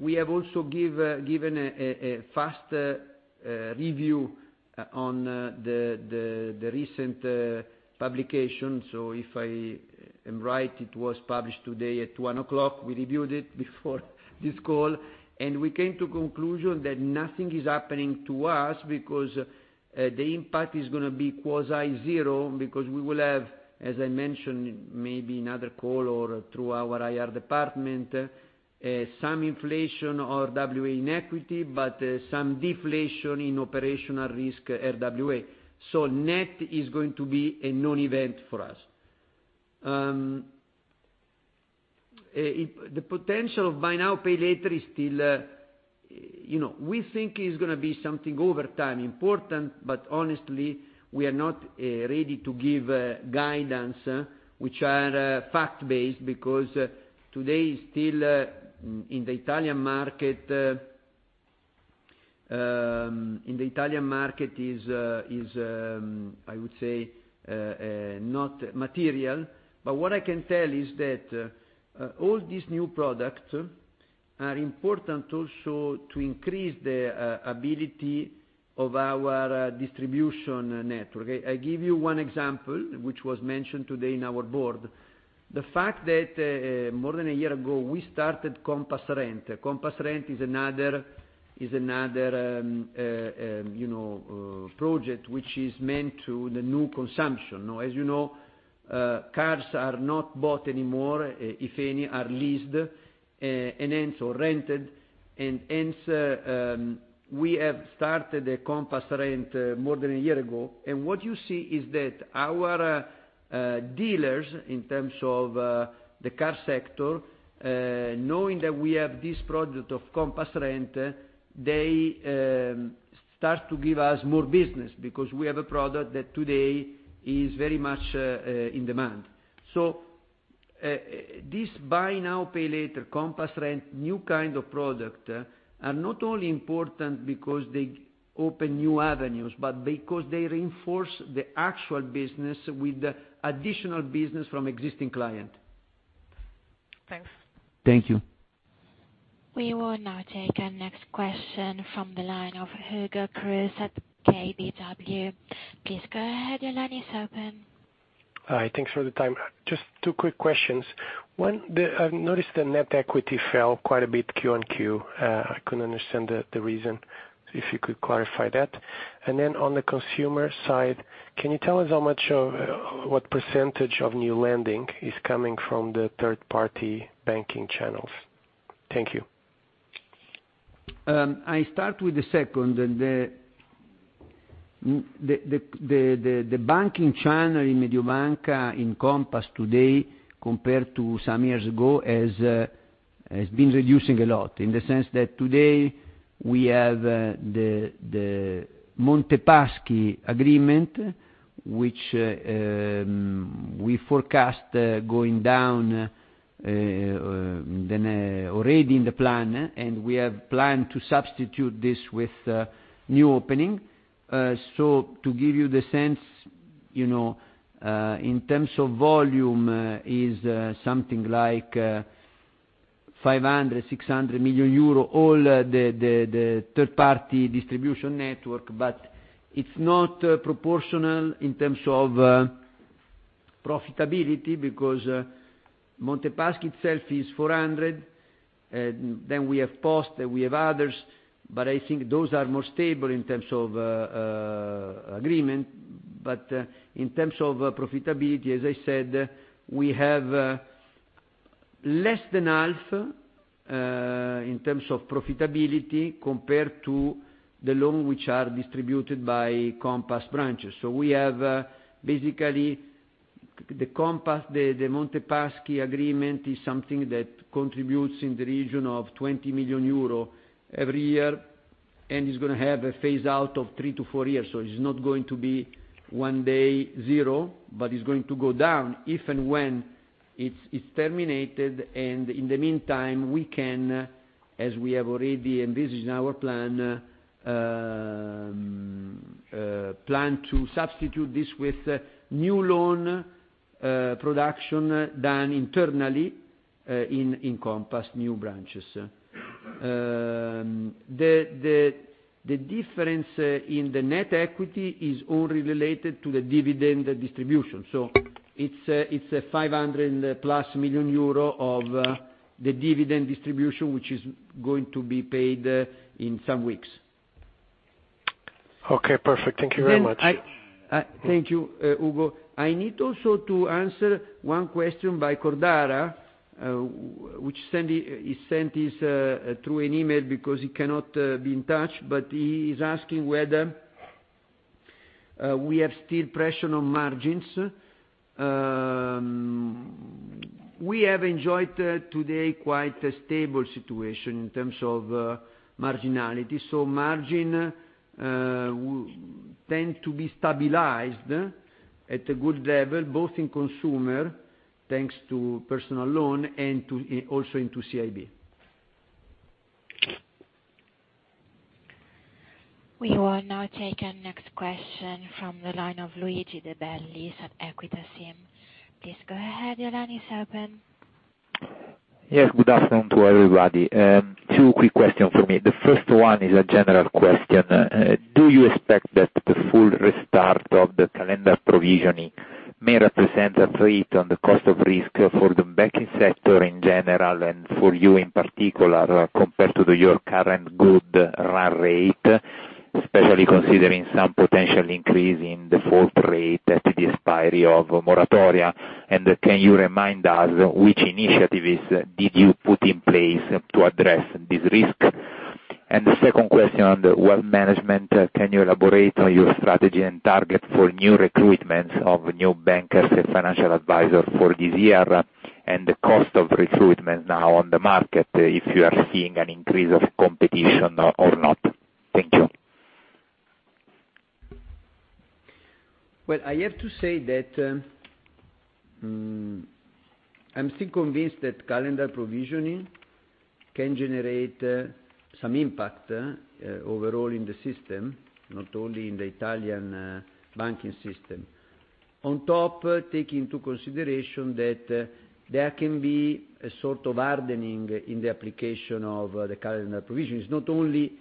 we have also given a fast review on the recent publication. If I am right, it was published today at 1:00 P.M. We reviewed it before this call, and we came to conclusion that nothing is happening to us because the impact is going to be quasi zero. We will have, as I mentioned, maybe another call or through our IR department, some inflation RWA in equity but some deflation in operational risk RWA. Net is going to be a non-event for us. The potential of buy now, pay later is still. We think is going to be something over time important, but honestly, we are not ready to give guidance, which are fact-based because today is still in the Italian market, I would say, not material. What I can tell is that all these new product are important also to increase the ability of our distribution network. I give you one example, which was mentioned today in our board. The fact that more than a year ago, we started Compass Rent. Compass Rent is another project, which is meant to the new consumption. As you know, cars are not bought anymore, if any, are leased and then so rented. Hence, we have started the Compass Rent more than a year ago. What you see is that our dealers, in terms of the car sector, knowing that we have this project of Compass Rent, they start to give us more business because we have a product that today is very much in demand. This buy now, pay later, Compass Rent, new kind of product, are not only important because they open new avenues, but because they reinforce the actual business with additional business from existing client. Thanks. Thank you. We will now take our next question from the line of Hugo Cruz at KBW. Please go ahead. Your line is open. Hi. Thanks for the time. Just two quick questions. One, I've noticed the net equity fell quite a bit Q on Q. I couldn't understand the reason, if you could clarify that. Then on the consumer side, can you tell us what % of new lending is coming from the third-party banking channels? Thank you. I start with the second. The banking channel in Mediobanca in Compass today compared to some years ago has been reducing a lot, in the sense that today we have the Monte Paschi agreement, which we forecast going down already in the plan, and we have planned to substitute this with new opening. To give you the sense, in terms of volume is something like 500 million euro, 600 million euro, all the third-party distribution network. It is not proportional in terms of profitability, because Monte Paschi itself is 400 million, and then we have Post, and we have others, but I think those are more stable in terms of agreement. In terms of profitability, as I said, we have less than half in terms of profitability compared to the loans which are distributed by Compass branches. We have basically, the Monte Paschi agreement is something that contributes in the region of 20 million euro every year, and is going to have a phase out of three to four years. It is not going to be one day zero, it is going to go down, if and when it is terminated, and in the meantime, we can, as we have already, and this is in our plan to substitute this with new loan production done internally in Compass new branches. The difference in the net equity is only related to the dividend distribution. It is a 500+ million euro of the dividend distribution, which is going to be paid in some weeks. Okay, perfect. Thank you very much. Thank you, Hugo. I need also to answer one question by Cordara, which he sent through an email because he cannot be in touch, he is asking whether we have still pressure on margins. We have enjoyed today quite a stable situation in terms of marginality. Margin tends to be stabilized at a good level, both in consumer, thanks to personal loan, and also into CIB. We will now take our next question from the line of Luigi De Bellis at Equita SIM. Please go ahead. Your line is open. Yes, good afternoon to everybody. Two quick questions from me. The first one is a general question. Do you expect that the full restart of the calendar provisioning may represent a threat on the cost of risk for the banking sector in general and for you in particular, compared to your current good RAM rate, especially considering some potential increase in default rate at the expiry of moratoria? Can you remind us which initiatives did you put in place to address this risk? The second question on wealth management, can you elaborate on your strategy and target for new recruitments of new bankers and financial advisors for this year, and the cost of recruitment now on the market, if you are seeing an increase of competition or not? Thank you. Well, I have to say that I'm still convinced that calendar provisioning can generate some impact overall in the system, not only in the Italian banking system. On top, take into consideration that there can be a sort of hardening in the application of the calendar provision. It's not only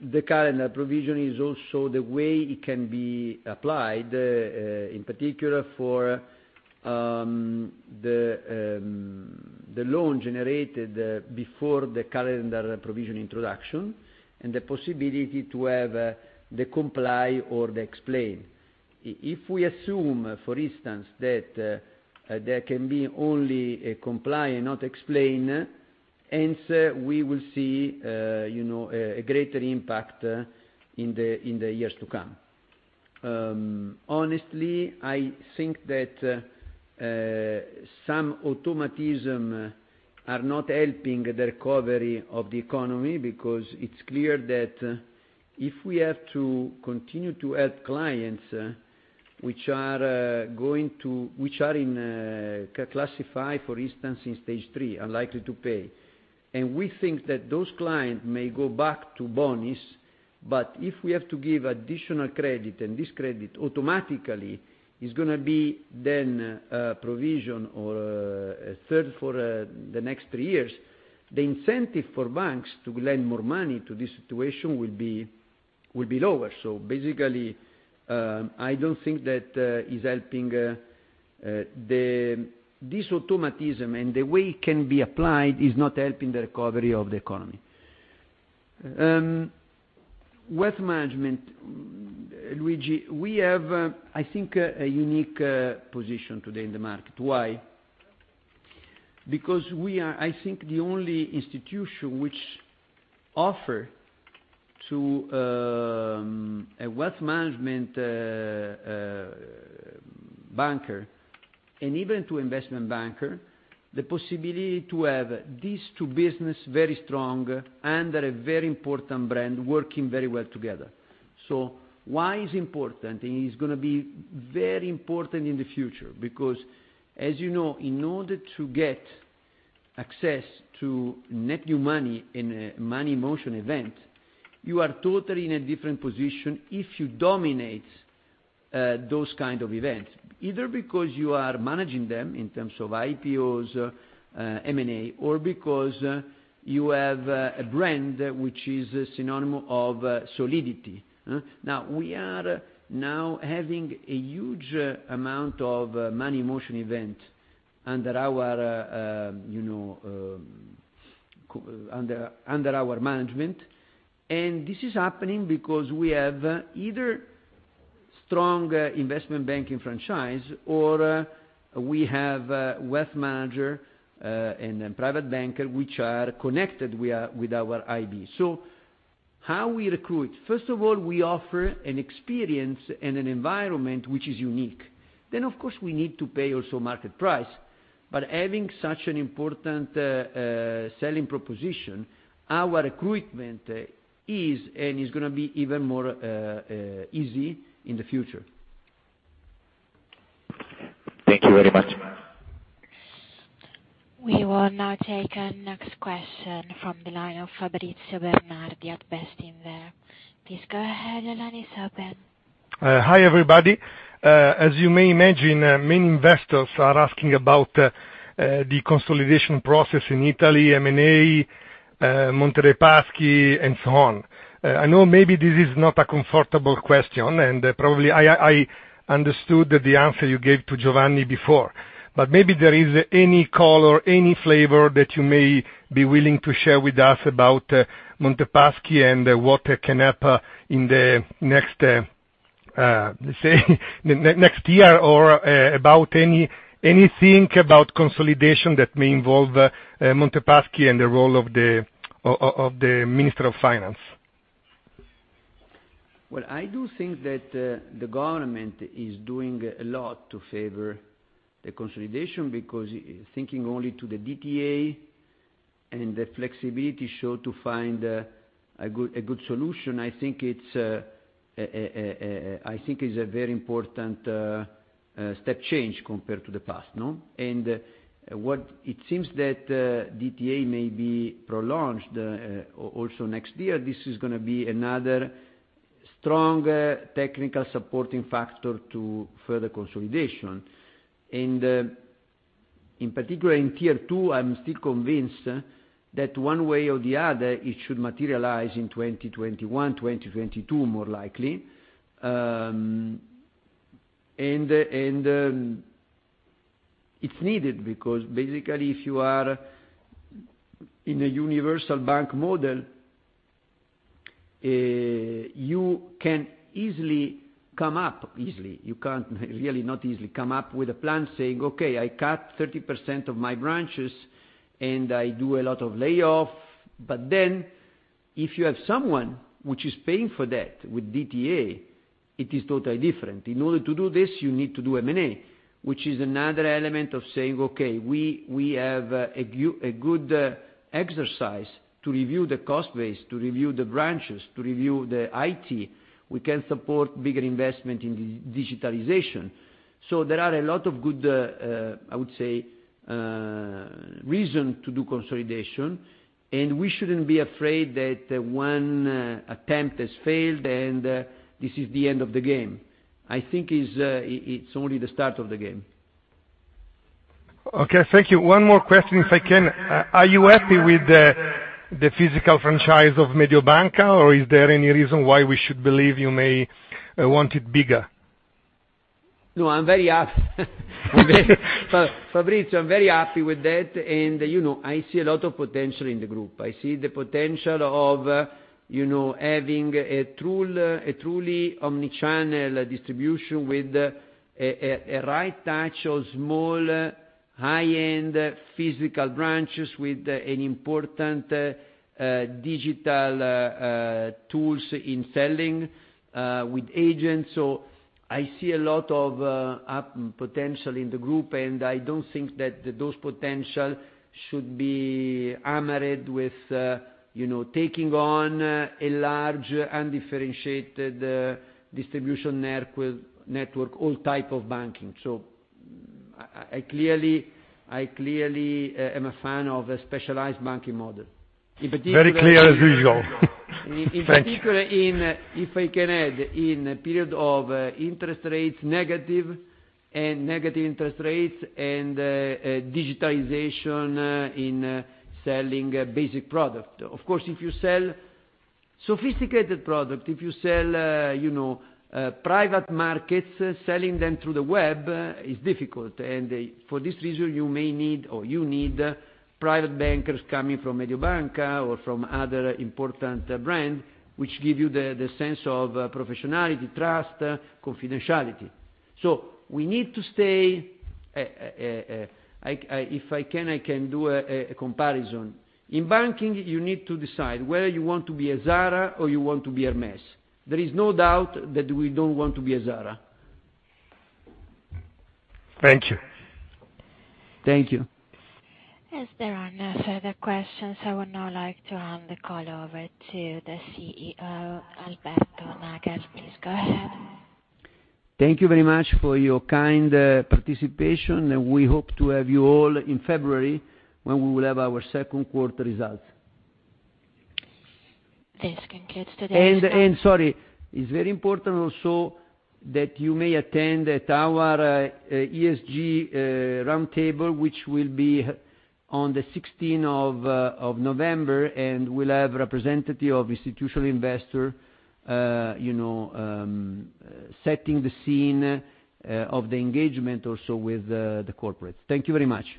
the calendar provision, it's also the way it can be applied, in particular, for the loan generated before the calendar provision introduction, and the possibility to have the comply or the explain. If we assume, for instance, that there can be only a comply and not explain, hence we will see a greater impact in the years to come. Honestly, I think that some automatism are not helping the recovery of the economy, because it's clear that if we have to continue to help clients which are classified, for instance, in stage 3, unlikely to pay, we think that those clients may go back to bonis. If we have to give additional credit, and this credit automatically is going to be then a provision or a third for the next three years, the incentive for banks to lend more money to this situation will be lower. Basically, I don't think that this automatism, and the way it can be applied, is not helping the recovery of the economy. Wealth management, Luigi, we have, I think, a unique position today in the market. Why? We are, I think, the only institution which offer to a wealth management banker, and even to investment banker, the possibility to have these two business very strong under a very important brand, working very well together. Why is important? It is going to be very important in the future, because, as you know, in order to get access to net new money in a money motion event, you are totally in a different position if you dominate those kind of events, either because you are managing them in terms of IPOs, M&A, or because you have a brand which is a synonym of solidity. We are now having a huge amount of money motion event under our management. This is happening because we have either strong investment banking franchise, or we have wealth manager, and then private banker, which are connected with our IB. How we recruit? First of all, we offer an experience and an environment which is unique. Of course, we need to pay also market price. Having such an important selling proposition, our recruitment is and is going to be even more easy in the future. Thank you very much. We will now take our next question from the line of Fabrizio Bernardi at Bestinver. Please go ahead, your line is open. Hi, everybody. As you may imagine, many investors are asking about the consolidation process in Italy, M&A, Monte dei Paschi, and so on. I know maybe this is not a comfortable question. Probably I understood the answer you gave to Giovanni before. Maybe there is any color, any flavor that you may be willing to share with us about Monte dei Paschi and what can happen in the next year, or about anything about consolidation that may involve Monte dei Paschi and the role of the Minister of Finance. Well, I do think that the government is doing a lot to favor the consolidation, because thinking only to the DTA and the flexibility showed to find a good solution, I think it's a very important step change compared to the past. What it seems that DTA may be prolonged, also next year. This is going to be another strong technical supporting factor to further consolidation. In particular in Tier 2, I'm still convinced that one way or the other, it should materialize in 2021, 2022 more likely. It's needed because basically, if you are in a universal bank model, you can really not easily come up with a plan saying, "Okay, I cut 30% of my branches and I do a lot of layoff." If you have someone which is paying for that with DTA, it is totally different. In order to do this, you need to do M&A. Which is another element of saying, "Okay, we have a good exercise to review the cost base, to review the branches, to review the IT." We can support bigger investment in digitalization. There are a lot of good, I would say, reason to do consolidation. We shouldn't be afraid that one attempt has failed and this is the end of the game. I think it's only the start of the game. Okay. Thank you. One more question, if I can. Are you happy with the physical franchise of Mediobanca, or is there any reason why we should believe you may want it bigger? No, I'm very happy. Fabrizio, I'm very happy with that, and I see a lot of potential in the group. I see the potential of having a truly omni-channel distribution with a right touch of small, high-end physical branches with an important digital tools in selling with agents. So I see a lot of potential in the group, and I don't think that those potential should be hammered with taking on a large undifferentiated distribution network, all type of banking. I clearly am a fan of a specialized banking model. In particular- Very clear as usual. Thank you. In particular, if I can add, in a period of interest rates negative, and negative interest rates, and digitalization in selling basic product. For this reason, you may need, or you need private bankers coming from Mediobanca or from other important brand, which give you the sense of professionality, trust, confidentiality. We need to stay If I can, I can do a comparison. In banking, you need to decide whether you want to be a Zara or you want to be Hermès. There is no doubt that we don't want to be a Zara. Thank you. Thank you. As there are no further questions, I would now like to hand the call over to the CEO, Alberto Nagel. Please go ahead. Thank you very much for your kind participation. We hope to have you all in February, when we will have our second quarter results. This concludes today's- Sorry. It's very important also that you may attend at our ESG roundtable, which will be on the 16th of November. We'll have representative of institutional investor setting the scene of the engagement also with the corporates. Thank you very much.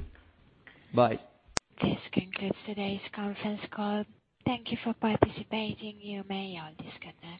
Bye. This concludes today's conference call. Thank you for participating. You may all disconnect.